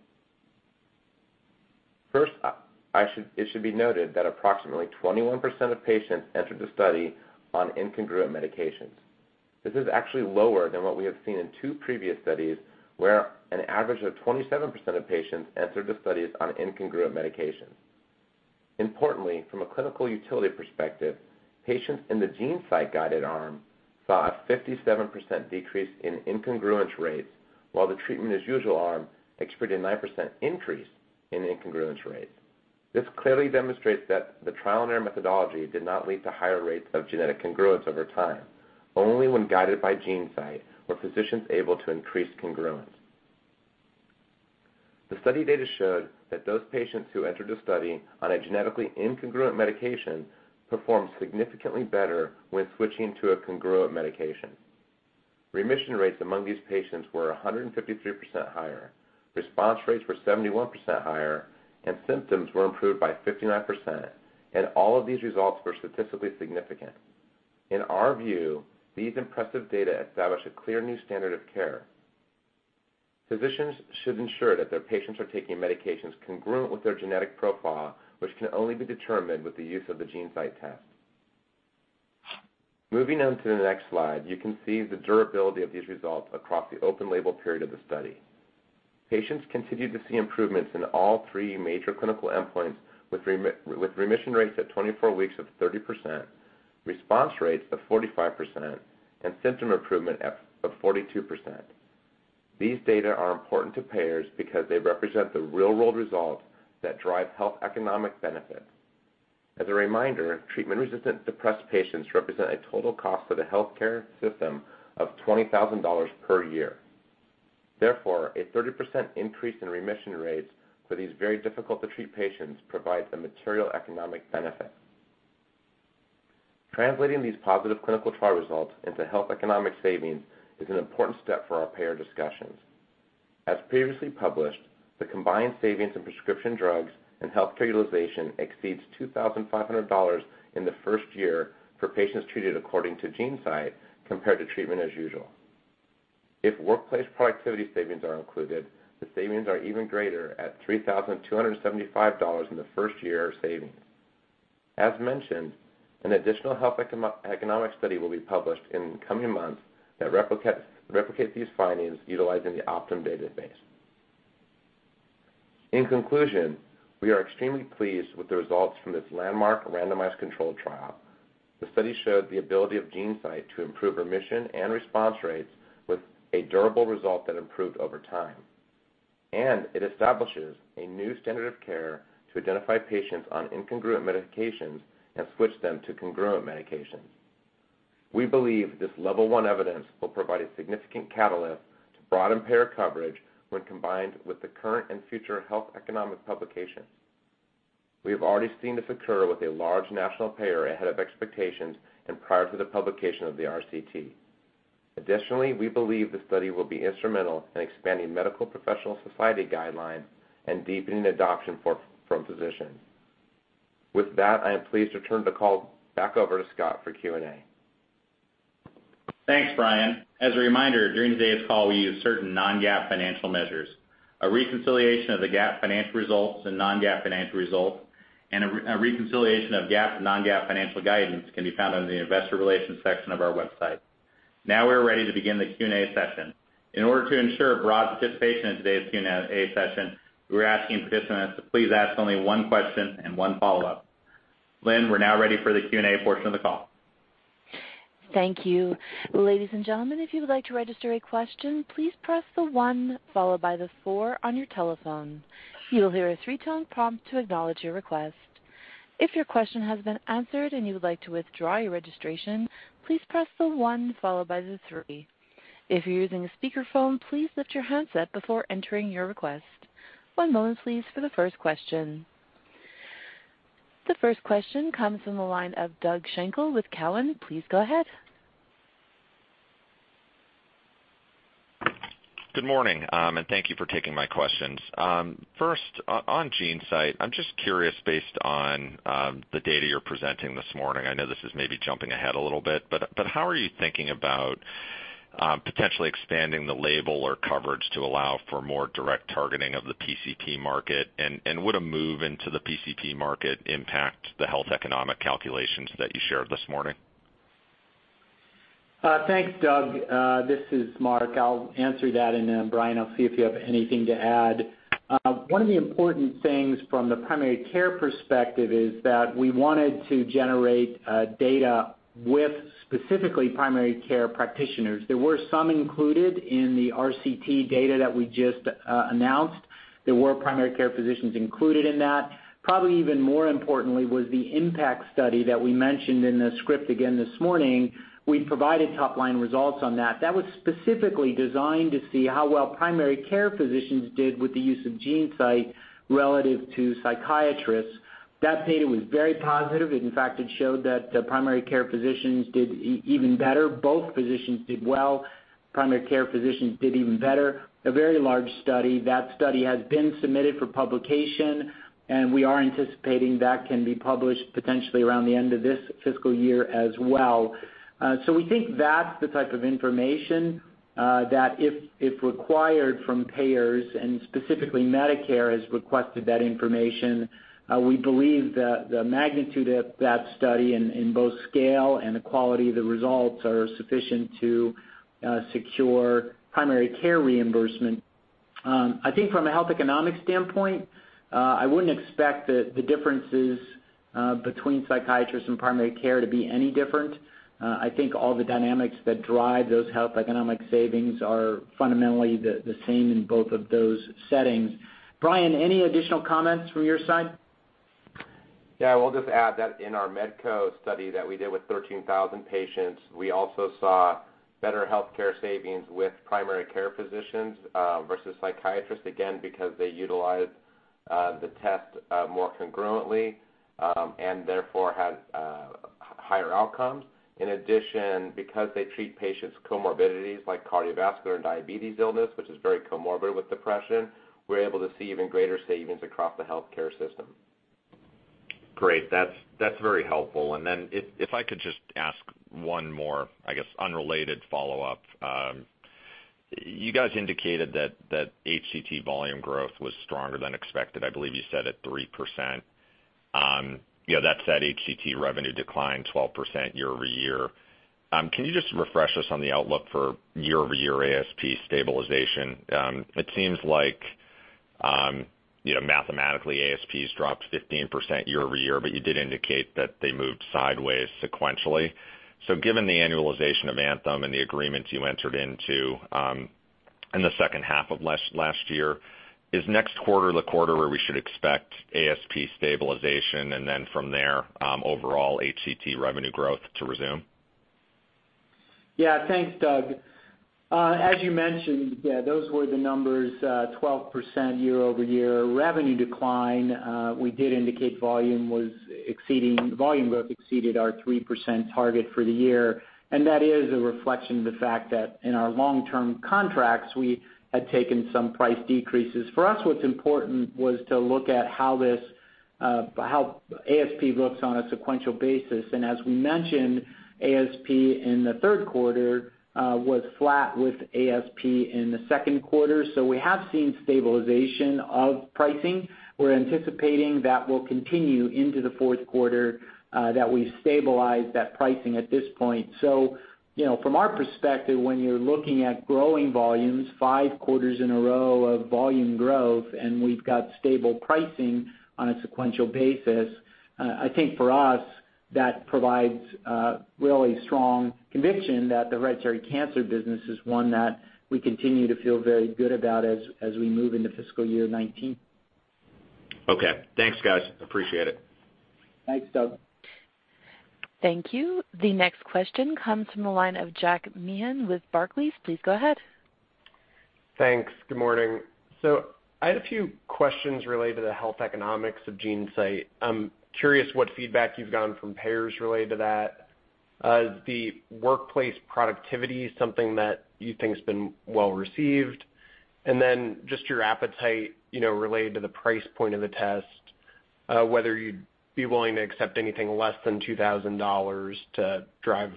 First, it should be noted that approximately 21% of patients entered the study on incongruent medications. This is actually lower than what we have seen in two previous studies where an average of 27% of patients entered the studies on incongruent medications. Importantly, from a clinical utility perspective, patients in the GeneSight-guided arm saw a 57% decrease in incongruence rates, while the treatment as usual arm experienced a 9% increase in incongruence rates. This clearly demonstrates that the trial and error methodology did not lead to higher rates of genetic congruence over time. Only when guided by GeneSight were physicians able to increase congruence. The study data showed that those patients who entered a study on a genetically incongruent medication performed significantly better when switching to a congruent medication. Remission rates among these patients were 153% higher, response rates were 71% higher, and symptoms were improved by 59%, and all of these results were statistically significant. In our view, these impressive data establish a clear new standard of care. Physicians should ensure that their patients are taking medications congruent with their genetic profile, which can only be determined with the use of the GeneSight test. You can see the durability of these results across the open label period of the study. Patients continued to see improvements in all three major clinical endpoints with remission rates at 24 weeks of 30%, response rates of 45%, and symptom improvement of 42%. These data are important to payers because they represent the real-world results that drive health economic benefits. As a reminder, treatment-resistant depressed patients represent a total cost to the healthcare system of $20,000 per year. Therefore, a 30% increase in remission rates for these very difficult to treat patients provides a material economic benefit. Translating these positive clinical trial results into health economic savings is an important step for our payer discussions. As previously published, the combined savings in prescription drugs and health care utilization exceeds $2,500 in the first year for patients treated according to GeneSight compared to treatment as usual. If workplace productivity savings are included, the savings are even greater at $3,275 in the first year of savings. As mentioned, an additional health economic study will be published in the coming months that replicates these findings utilizing the Optum database. In conclusion, we are extremely pleased with the results from this landmark randomized controlled trial. The study showed the ability of GeneSight to improve remission and response rates with a durable result that improved over time, and it establishes a new standard of care to identify patients on incongruent medications and switch them to congruent medications. We believe this level 1 evidence will provide a significant catalyst to broaden payer coverage when combined with the current and future health economic publications. We have already seen this occur with a large national payer ahead of expectations and prior to the publication of the RCT. Additionally, we believe the study will be instrumental in expanding medical professional society guidelines and deepening adoption from physicians. With that, I am pleased to turn the call back over to Scott for Q&A. Thanks, Bryan. As a reminder, during today's call, we use certain non-GAAP financial measures. A reconciliation of the GAAP financial results and non-GAAP financial results, and a reconciliation of GAAP to non-GAAP financial guidance can be found under the investor relations section of our website. We're ready to begin the Q&A session. In order to ensure broad participation in today's Q&A session, we're asking participants to please ask only one question and one follow-up. Lynn, we're now ready for the Q&A portion of the call. Thank you. Ladies and gentlemen, if you would like to register a question, please press the one followed by the four on your telephone. You will hear a three-tone prompt to acknowledge your request. If your question has been answered and you would like to withdraw your registration, please press the one followed by the three. If you're using a speakerphone, please lift your handset before entering your request. One moment, please, for the first question. The first question comes from the line of Doug Schenkel with Cowen. Please go ahead. Good morning, thank you for taking my questions. First, on GeneSight, I'm just curious, based on the data you're presenting this morning, I know this is maybe jumping ahead a little bit, but how are you thinking about potentially expanding the label or coverage to allow for more direct targeting of the PCP market? Would a move into the PCP market impact the health economic calculations that you shared this morning? Thanks, Doug. This is Mark. I'll answer that, Bryan, I'll see if you have anything to add. One of the important things from the primary care perspective is that we wanted to generate data with specifically primary care practitioners. There were some included in the RCT data that we just announced. There were primary care physicians included in that. Probably even more importantly was the IMPACT study that we mentioned in the script again this morning. We provided top-line results on that. That was specifically designed to see how well primary care physicians did with the use of GeneSight relative to psychiatrists. That data was very positive. In fact, it showed that primary care physicians did even better. Both physicians did well. Primary care physicians did even better. A very large study. That study has been submitted for publication, we are anticipating that can be published potentially around the end of this fiscal year as well. We think that's the type of information that if required from payers and specifically Medicare has requested that information, we believe that the magnitude of that study in both scale and the quality of the results are sufficient to secure primary care reimbursement. I think from a health economic standpoint, I wouldn't expect the differences between psychiatrists and primary care to be any different. I think all the dynamics that drive those health economic savings are fundamentally the same in both of those settings. Bryan, any additional comments from your side? I will just add that in our Medco study that we did with 13,000 patients, we also saw better healthcare savings with primary care physicians versus psychiatrists, again, because they utilize the test more congruently and therefore have higher outcomes. Because they treat patients' comorbidities like cardiovascular and diabetes illness, which is very comorbid with depression, we are able to see even greater savings across the healthcare system. Great. That's very helpful. If I could just ask one more, I guess, unrelated follow-up. You guys indicated that HCT volume growth was stronger than expected. I believe you said at 3%. That said, HCT revenue declined 12% year-over-year. Can you just refresh us on the outlook for year-over-year ASP stabilization? It seems like, mathematically, ASPs dropped 15% year-over-year, but you did indicate that they moved sideways sequentially. Given the annualization of Anthem and the agreements you entered into in the second half of last year, is next quarter the quarter where we should expect ASP stabilization, and from there, overall HCT revenue growth to resume? Thanks, Doug. As you mentioned, those were the numbers, 12% year-over-year revenue decline. We did indicate volume growth exceeded our 3% target for the year, and that is a reflection of the fact that in our long-term contracts, we had taken some price decreases. For us, what's important was to look at how ASP looks on a sequential basis. As we mentioned, ASP in the third quarter was flat with ASP in the second quarter. We have seen stabilization of pricing. We are anticipating that will continue into the fourth quarter, that we've stabilized that pricing at this point. From our perspective, when you're looking at growing volumes, five quarters in a row of volume growth, and we've got stable pricing on a sequential basis, I think for us, that provides a really strong conviction that the hereditary cancer business is one that we continue to feel very good about as we move into fiscal year 2019. Okay. Thanks, guys. Appreciate it. Thanks, Doug. Thank you. The next question comes from the line of Jack Meehan with Barclays. Please go ahead. Thanks. Good morning. I had a few questions related to the health economics of GeneSight. I'm curious what feedback you've gotten from payers related to that. Is the workplace productivity something that you think has been well-received? Just your appetite related to the price point of the test, whether you'd be willing to accept anything less than $2,000 to drive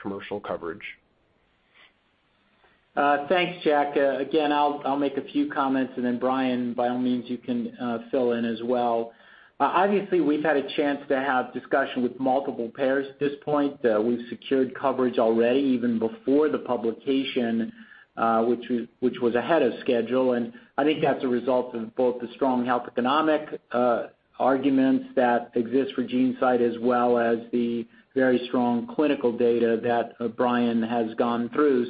commercial coverage. Thanks, Jack. Again, I'll make a few comments, and then Bryan, by all means, you can fill in as well. Obviously, we've had a chance to have discussion with multiple payers at this point. We've secured coverage already, even before the publication, which was ahead of schedule. I think that's a result of both the strong health economic arguments that exist for GeneSight, as well as the very strong clinical data that Bryan has gone through.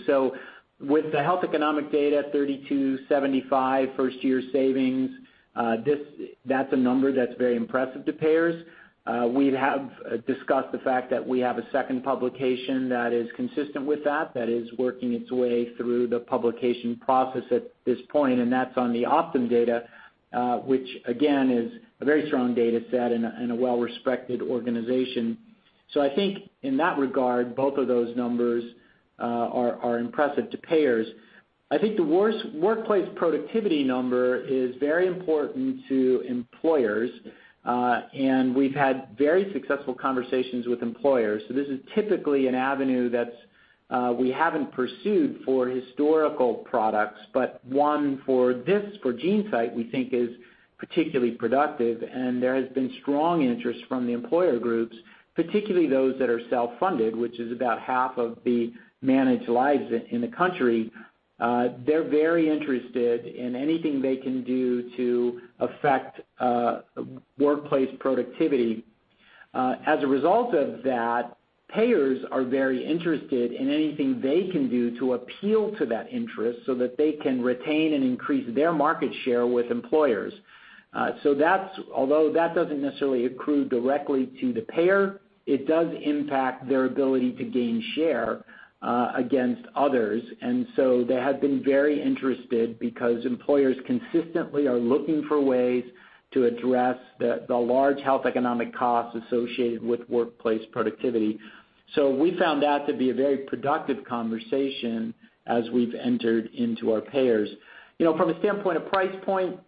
With the health economic data, $3,275 first-year savings, that's a number that's very impressive to payers. We have discussed the fact that we have a second publication that is consistent with that is working its way through the publication process at this point, and that's on the Optum data, which, again, is a very strong data set and a well-respected organization. I think in that regard, both of those numbers are impressive to payers. I think the workplace productivity number is very important to employers, and we've had very successful conversations with employers. This is typically an avenue that we haven't pursued for historical products, but one for GeneSight, we think is particularly productive. There has been strong interest from the employer groups, particularly those that are self-funded, which is about half of the managed lives in the country. They're very interested in anything they can do to affect workplace productivity. As a result of that, payers are very interested in anything they can do to appeal to that interest so that they can retain and increase their market share with employers. Although that doesn't necessarily accrue directly to the payer, it does impact their ability to gain share against others. They have been very interested because employers consistently are looking for ways to address the large health economic costs associated with workplace productivity. We found that to be a very productive conversation as we've entered into our payers. From a standpoint of price point,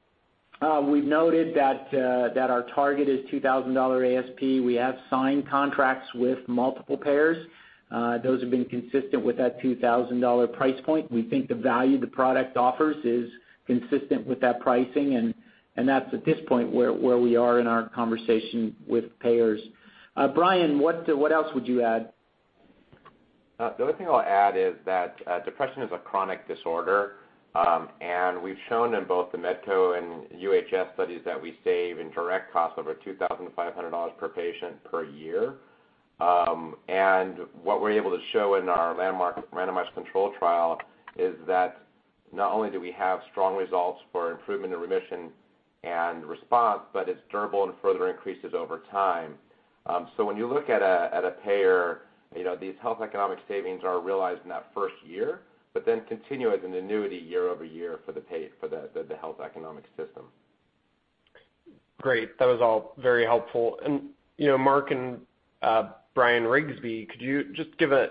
we've noted that our target is $2,000 ASP. We have signed contracts with multiple payers. Those have been consistent with that $2,000 price point. We think the value the product offers is consistent with that pricing, and that's at this point where we are in our conversation with payers. Bryan, what else would you add? The only thing I'll add is that depression is a chronic disorder. We've shown in both the Medco and UHS studies that we save in direct costs over $2,500 per patient per year. What we're able to show in our landmark randomized control trial is that not only do we have strong results for improvement in remission and response, but it's durable and further increases over time. When you look at a payer, these health economic savings are realized in that first year, but then continue as an annuity year-over-year for the health economic system. Great. That was all very helpful. Mark and Bryan Riggsbee, could you just give an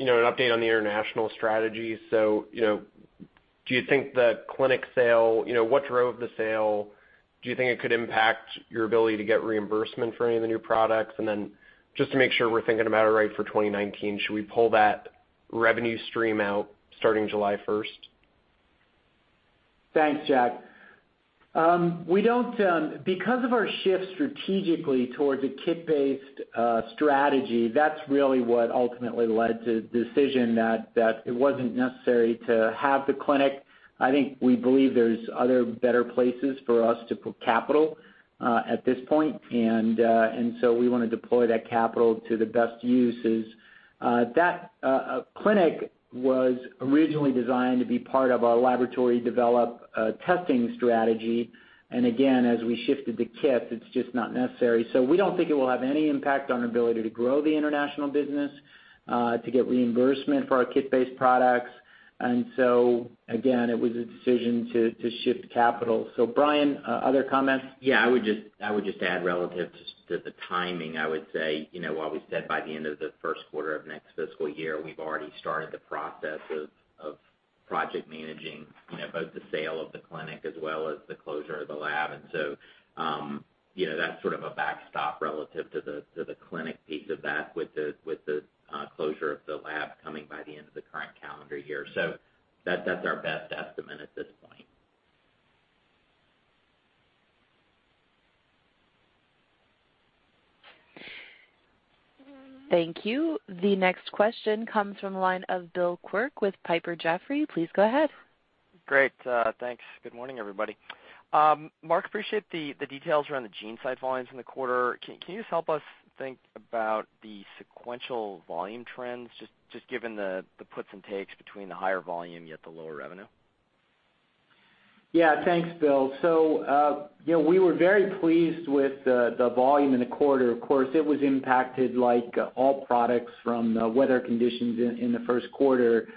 update on the international strategy? Do you think the clinic sale, what drove the sale? Do you think it could impact your ability to get reimbursement for any of the new products? Just to make sure we're thinking about it right for 2019, should we pull that revenue stream out starting July 1st? Thanks, Jack. Because of our shift strategically towards a kit-based strategy, that's really what ultimately led to the decision that it wasn't necessary to have the clinic. I think we believe there's other better places for us to put capital, at this point. We want to deploy that capital to the best uses. That clinic was originally designed to be part of our laboratory developed testing strategy. Again, as we shifted to kits, it's just not necessary. We don't think it will have any impact on our ability to grow the international business, to get reimbursement for our kit-based products. Again, it was a decision to shift capital. Bryan, other comments? Yeah, I would just add relative to the timing, I would say, while we said by the end of the first quarter of next fiscal year, we've already started the process of project managing both the sale of the clinic as well as the closure of the lab. That's sort of a backstop relative to the clinic piece of that with the closure of the lab coming by the end of the current calendar year. That's our best estimate at this point. Thank you. The next question comes from the line of Bill Quirk with Piper Jaffray. Please go ahead. Great, thanks. Good morning, everybody. Mark, appreciate the details around the GeneSight volumes in the quarter. Can you just help us think about the sequential volume trends, just given the puts and takes between the higher volume, yet the lower revenue? Yeah. Thanks, Bill. We were very pleased with the volume in the quarter. Of course, it was impacted like all products from the weather conditions in the first quarter.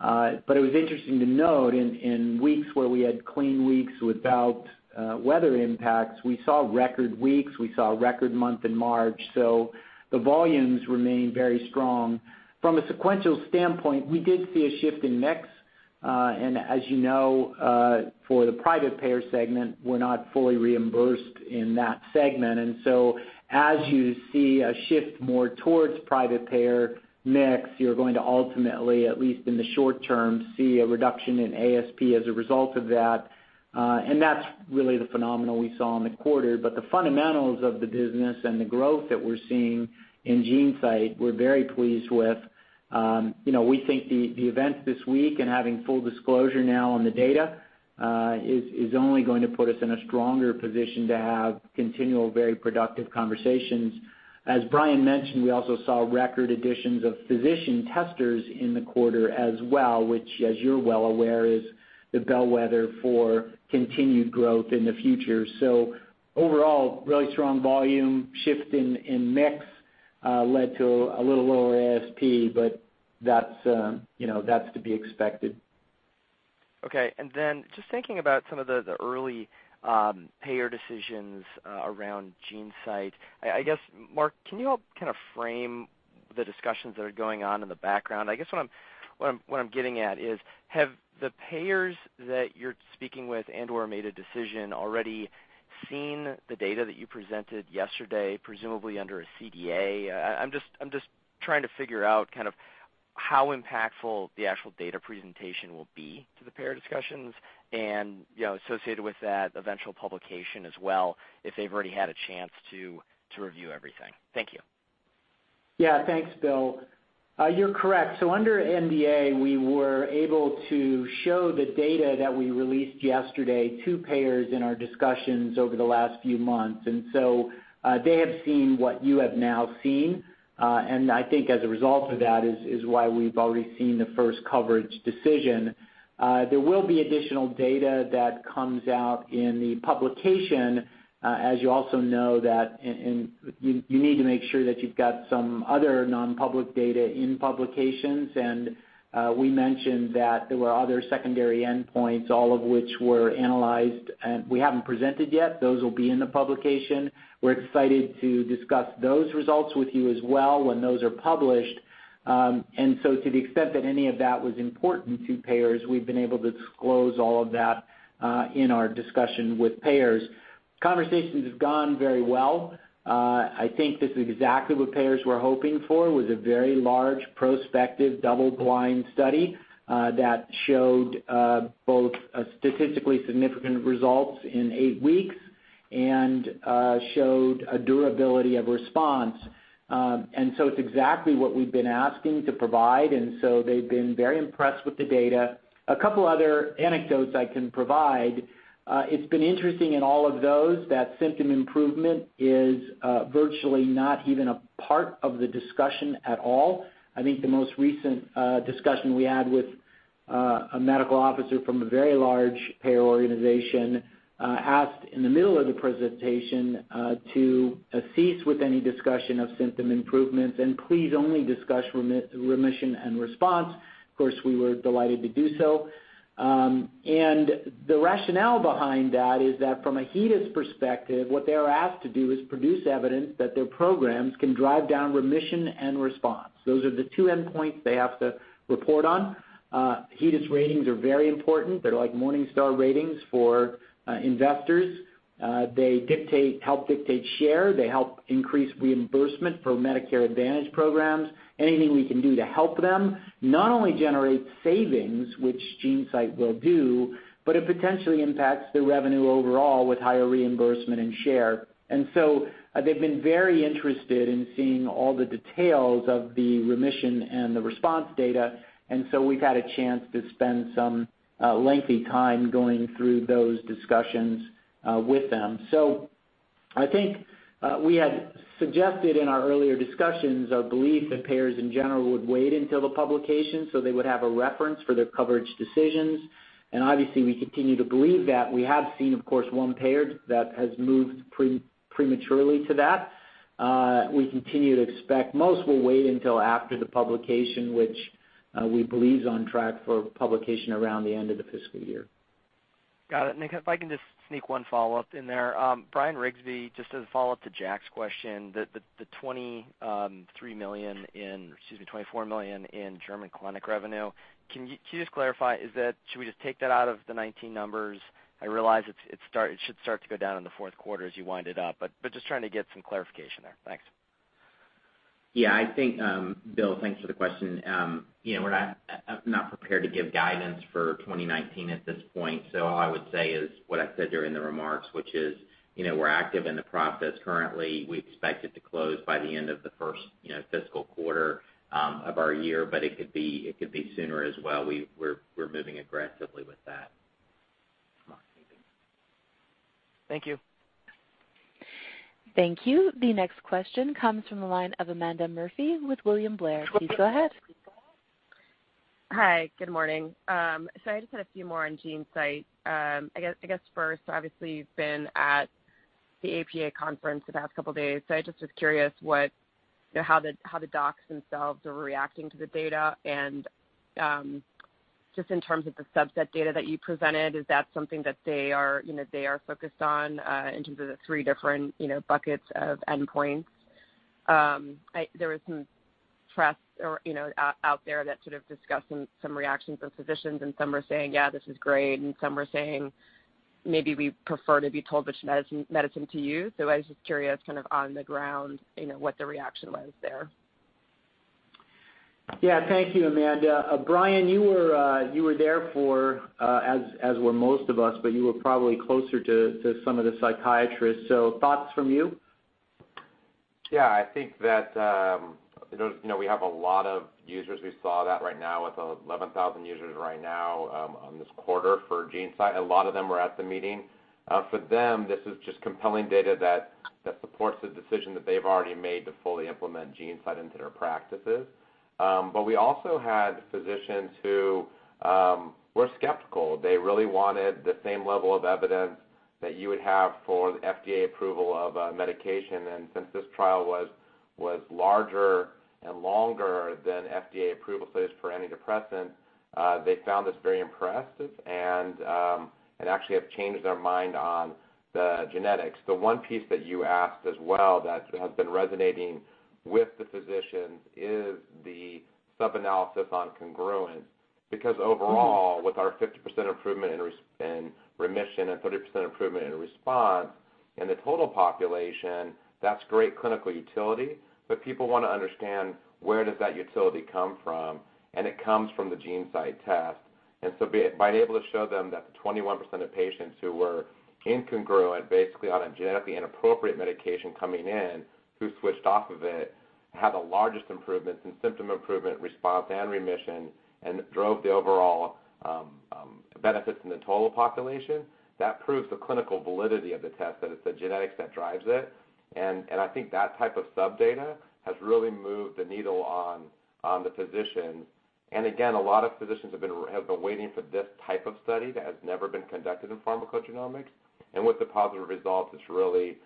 It was interesting to note in weeks where we had clean weeks without weather impacts, we saw record weeks, we saw a record month in March. The volumes remained very strong. From a sequential standpoint, we did see a shift in mix. As you know, for the private payer segment, we're not fully reimbursed in that segment. As you see a shift more towards private payer mix, you're going to ultimately, at least in the short term, see a reduction in ASP as a result of that. That's really the phenomenon we saw in the quarter. The fundamentals of the business and the growth that we're seeing in GeneSight, we're very pleased with. We think the event this week and having full disclosure now on the data, is only going to put us in a stronger position to have continual, very productive conversations. As Bryan mentioned, we also saw record additions of physician testers in the quarter as well, which as you're well aware, is the bellwether for continued growth in the future. Overall, really strong volume shift in mix, led to a little lower ASP, but that's to be expected. Okay. Just thinking about some of the early payer decisions around GeneSight. I guess, Mark, can you all kind of frame the discussions that are going on in the background? I guess what I'm getting at is, have the payers that you're speaking with and/or made a decision already seen the data that you presented yesterday, presumably under a CDA? I'm just trying to figure out how impactful the actual data presentation will be to the payer discussions and, associated with that eventual publication as well, if they've already had a chance to review everything. Thank you. Thanks, Bill. You're correct. Under NDA, we were able to show the data that we released yesterday to payers in our discussions over the last few months. They have seen what you have now seen. I think as a result of that is why we've already seen the first coverage decision. There will be additional data that comes out in the publication, as you also know that you need to make sure that you've got some other non-public data in publications. We mentioned that there were other secondary endpoints, all of which were analyzed and we haven't presented yet. Those will be in the publication. We're excited to discuss those results with you as well when those are published. To the extent that any of that was important to payers, we've been able to disclose all of that in our discussion with payers. Conversations have gone very well. I think this is exactly what payers were hoping for. It was a very large prospective double-blind study that showed both statistically significant results in eight weeks and showed a durability of response. It's exactly what we've been asking to provide, and so they've been very impressed with the data. A couple other anecdotes I can provide. It's been interesting in all of those that symptom improvement is virtually not even a part of the discussion at all. I think the most recent discussion we had with a medical officer from a very large payer organization asked in the middle of the presentation to cease with any discussion of symptom improvements and please only discuss remission and response. Of course, we were delighted to do so. The rationale behind that is that from a HEDIS perspective, what they are asked to do is produce evidence that their programs can drive down remission and response. Those are the two endpoints they have to report on. HEDIS ratings are very important. They're like Morningstar ratings for investors. They help dictate share. They help increase reimbursement for Medicare Advantage programs. Anything we can do to help them not only generate savings, which GeneSight will do, but it potentially impacts the revenue overall with higher reimbursement and share. They've been very interested in seeing all the details of the remission and the response data, we've had a chance to spend some lengthy time going through those discussions with them. I think we had suggested in our earlier discussions our belief that payers in general would wait until the publication, so they would have a reference for their coverage decisions. Obviously, we continue to believe that. We have seen, of course, one payer that has moved prematurely to that. We continue to expect most will wait until after the publication, which we believe is on track for publication around the end of the fiscal year. Got it. Nick, if I can just sneak one follow-up in there. Bryan Riggsbee, just as a follow-up to Jack's question, the $23 million, excuse me, $24 million in German clinic revenue. Can you just clarify, should we just take that out of the 2019 numbers? I realize it should start to go down in the fourth quarter as you wind it up, but just trying to get some clarification there. Thanks. Yeah, I think, Bill, thanks for the question. I'm not prepared to give guidance for 2019 at this point, so all I would say is what I said during the remarks, which is we're active in the process currently. We expect it to close by the end of the first fiscal quarter of our year, but it could be sooner as well. We're moving aggressively with that. Thank you. Thank you. The next question comes from the line of Amanda Murphy with William Blair. Please go ahead. Hi. Good morning. I just had a few more on GeneSight. I guess first, obviously, you've been at the APA conference the past couple of days. I just was curious how the docs themselves are reacting to the data and just in terms of the subset data that you presented, is that something that they are focused on in terms of the three different buckets of endpoints? There was some press out there that sort of discussed some reactions of physicians. Some are saying, "Yeah, this is great," and some are saying, "Maybe we prefer to be told which medicine to use." I was just curious kind of on the ground, what the reaction was there. Thank you, Amanda. Bryan, you were there for, as were most of us. You were probably closer to some of the psychiatrists. Thoughts from you? I think that we have a lot of users. We saw that right now with 11,000 users right now on this quarter for GeneSight. A lot of them were at the meeting. For them, this is just compelling data that supports the decision that they've already made to fully implement GeneSight into their practices. We also had physicians who were skeptical. They really wanted the same level of evidence that you would have for the FDA approval of a medication. Since this trial was larger and longer than FDA approval studies for antidepressants, they found this very impressive and actually have changed their mind on the genetics. The one piece that you asked as well that has been resonating with the physicians is the sub-analysis on congruent. Overall, with our 50% improvement in remission and 30% improvement in response, in the total population, that's great clinical utility. People want to understand where does that utility come from, and it comes from the GeneSight test. By being able to show them that 21% of patients who were incongruent, basically on a genetically inappropriate medication coming in, who switched off of it, had the largest improvements in symptom improvement, response, and remission, and drove the overall benefits in the total population. That proves the clinical validity of the test, that it's the genetics that drives it. I think that type of sub-data has really moved the needle on the physicians. Again, a lot of physicians have been waiting for this type of study that has never been conducted in pharmacogenomics. With the positive results, it's really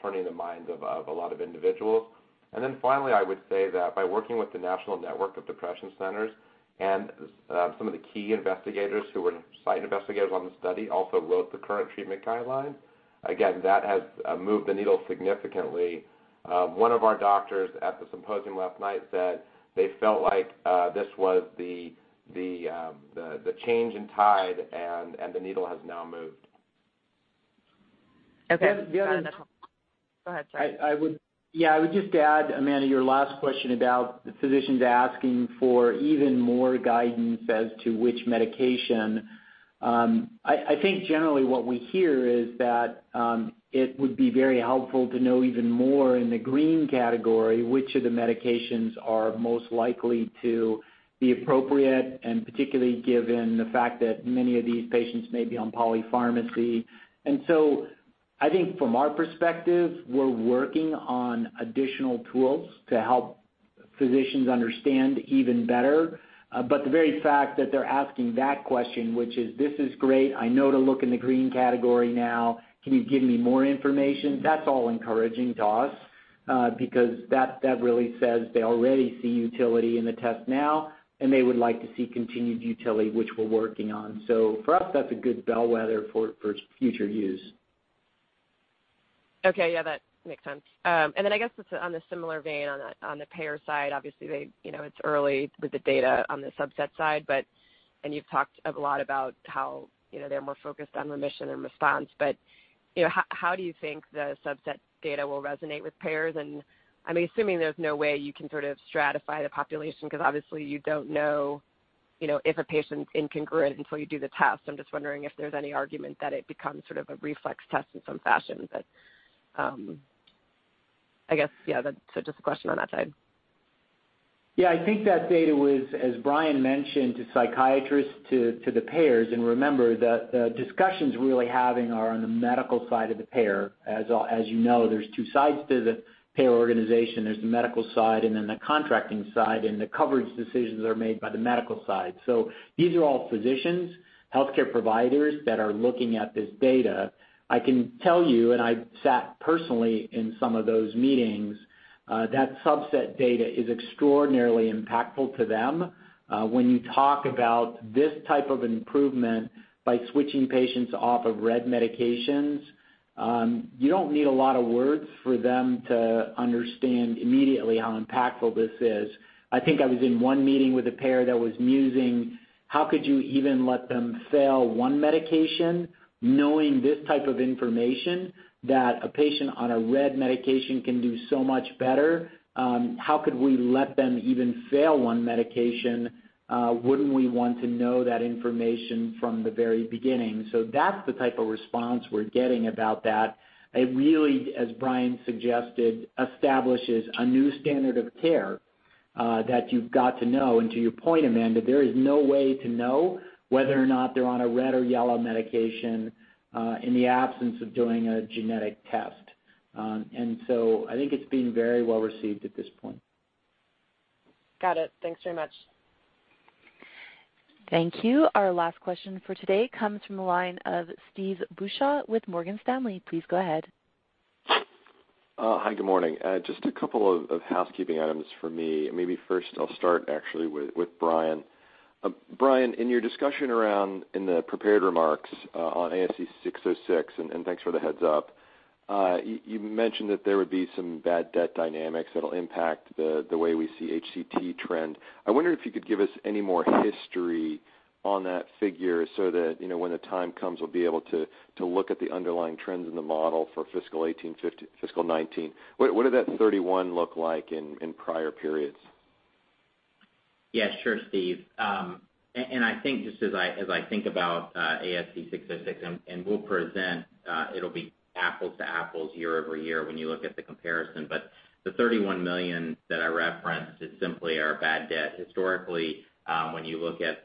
turning the minds of a lot of individuals. Finally, I would say that by working with the National Network of Depression Centers and some of the key investigators who were site investigators on the study also wrote the current treatment guidelines. Again, that has moved the needle significantly. One of our doctors at the symposium last night said they felt like this was the change in tide, and the needle has now moved. Okay. The other- Go ahead, sorry. I would just add, Amanda, your last question about the physicians asking for even more guidance as to which medication. I think generally what we hear is that it would be very helpful to know even more in the green category, which of the medications are most likely to be appropriate, and particularly given the fact that many of these patients may be on polypharmacy. I think from our perspective, we're working on additional tools to help physicians understand even better. The very fact that they're asking that question, which is, "This is great. I know to look in the green category now, can you give me more information?" That's all encouraging to us, because that really says they already see utility in the test now, and they would like to see continued utility, which we're working on. For us, that's a good bellwether for future use. That makes sense. I guess it's on the similar vein on the payer side, obviously it's early with the data on the subset side, and you've talked a lot about how they're more focused on remission and response, how do you think the subset data will resonate with payers? I'm assuming there's no way you can sort of stratify the population because obviously you don't know if a patient's incongruent until you do the test. I'm just wondering if there's any argument that it becomes sort of a reflex test in some fashion. I guess, yeah, that's just a question on that side. I think that data was, as Bryan mentioned to psychiatrists, to the payers, remember the discussions we're really having are on the medical side of the payer. As you know, there's two sides to the payer organization, there's the medical side and then the contracting side, and the coverage decisions are made by the medical side. These are all physicians, healthcare providers that are looking at this data. I can tell you, I've sat personally in some of those meetings, that subset data is extraordinarily impactful to them. When you talk about this type of improvement by switching patients off of red medications, you don't need a lot of words for them to understand immediately how impactful this is. I think I was in one meeting with a payer that was musing, how could you even let them fail one medication knowing this type of information that a patient on a red medication can do so much better? How could we let them even fail one medication? Wouldn't we want to know that information from the very beginning? That's the type of response we're getting about that. It really, as Bryan suggested, establishes a new standard of care, that you've got to know. To your point, Amanda, there is no way to know whether or not they're on a red or yellow medication, in the absence of doing a genetic test. I think it's being very well-received at this point. Got it. Thanks very much. Thank you. Our last question for today comes from the line of Steve Beuchaw with Morgan Stanley. Please go ahead. Hi, good morning. Just a couple of housekeeping items for me. First I'll start actually with Bryan. Bryan, in your discussion around in the prepared remarks on ASC 606, and thanks for the heads up, you mentioned that there would be some bad debt dynamics that'll impact the way we see HCT trend. I wonder if you could give us any more history on that figure so that when the time comes, we'll be able to look at the underlying trends in the model for fiscal 2019. What did that 31 look like in prior periods? Yeah, sure, Steve. I think just as I think about ASC 606, we'll present, it'll be apples to apples year-over-year when you look at the comparison. The $31 million that I referenced is simply our bad debt. Historically, when you look at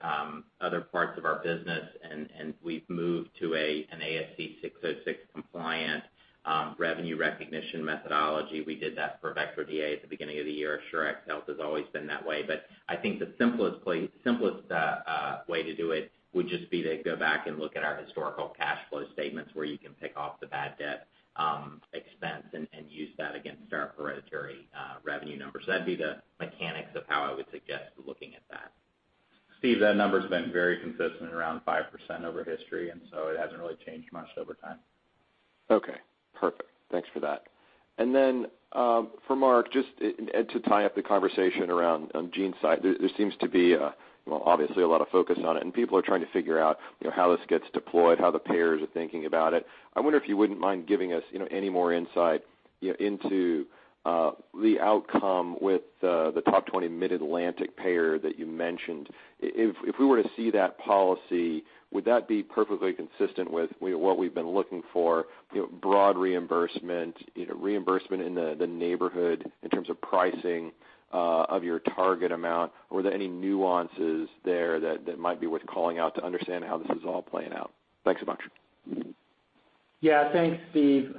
other parts of our business and we've moved to an ASC 606 compliant revenue recognition methodology, we did that for Vectra DA at the beginning of the year. Sure. GeneSight has always been that way. I think the simplest way to do it would just be to go back and look at our historical cash flow statements where you can pick off the bad debt expense and use that against our hereditary revenue numbers. That'd be the mechanics of how I would suggest looking at that. Steve, that number's been very consistent, around 5% over history, it hasn't really changed much over time. Okay. Perfect. Thanks for that. Then, for Mark, just to tie up the conversation around GeneSight, there seems to be, well, obviously a lot of focus on it, and people are trying to figure out how this gets deployed, how the payers are thinking about it. I wonder if you wouldn't mind giving us any more insight into the outcome with the top 20 Mid-Atlantic payer that you mentioned. If we were to see that policy, would that be perfectly consistent with what we've been looking for, broad reimbursement in the neighborhood in terms of pricing, of your target amount? Were there any nuances there that might be worth calling out to understand how this is all playing out? Thanks a bunch. Yeah. Thanks, Steve.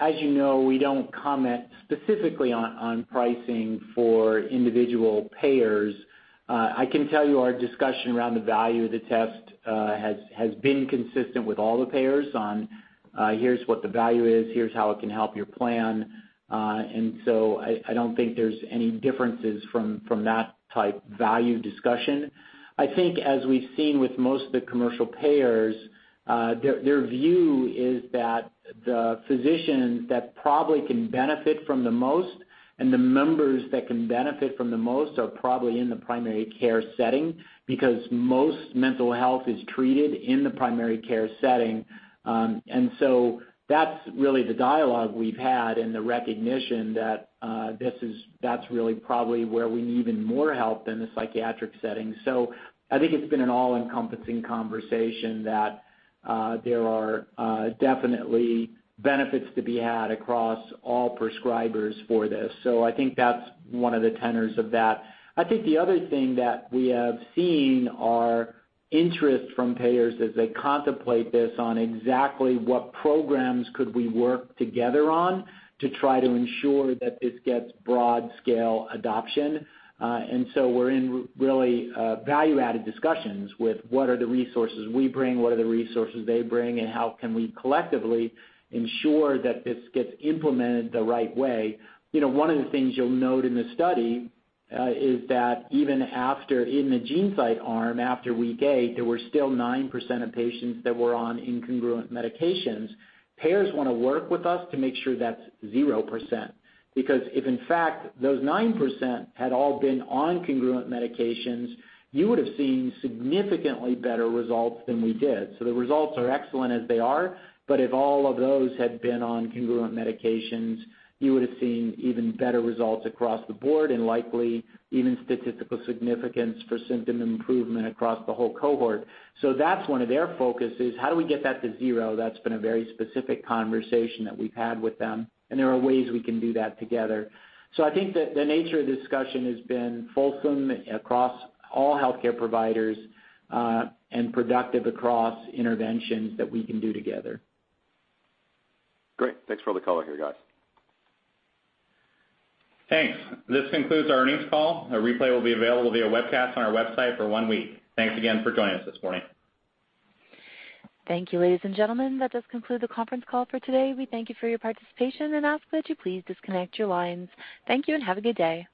As you know, we don't comment specifically on pricing for individual payers. I can tell you our discussion around the value of the test has been consistent with all the payers on, here's what the value is, here's how it can help your plan. I don't think there's any differences from that type value discussion. I think as we've seen with most of the commercial payers, their view is that the physician that probably can benefit from the most and the members that can benefit from the most are probably in the primary care setting, because most mental health is treated in the primary care setting. That's really the dialogue we've had and the recognition that that's really probably where we need even more help than the psychiatric setting. I think it's been an all-encompassing conversation that there are definitely benefits to be had across all prescribers for this. I think that's one of the tenors of that. The other thing that we have seen are interest from payers as they contemplate this on exactly what programs could we work together on to try to ensure that this gets broad scale adoption. We're in really value-added discussions with what are the resources we bring, what are the resources they bring, and how can we collectively ensure that this gets implemented the right way. One of the things you'll note in the study is that even after in the GeneSight arm, after week eight, there were still 9% of patients that were on incongruent medications. Payers want to work with us to make sure that's 0%. Because if, in fact, those 9% had all been on congruent medications, you would have seen significantly better results than we did. The results are excellent as they are, but if all of those had been on congruent medications, you would have seen even better results across the board and likely even statistical significance for symptom improvement across the whole cohort. That's one of their focuses. How do we get that to 0? That's been a very specific conversation that we've had with them, and there are ways we can do that together. I think that the nature of the discussion has been fulsome across all healthcare providers, and productive across interventions that we can do together. Great. Thanks for all the color here, guys. Thanks. This concludes our earnings call. A replay will be available via webcast on our website for one week. Thanks again for joining us this morning. Thank you, ladies and gentlemen. That does conclude the conference call for today. We thank you for your participation and ask that you please disconnect your lines. Thank you and have a good day.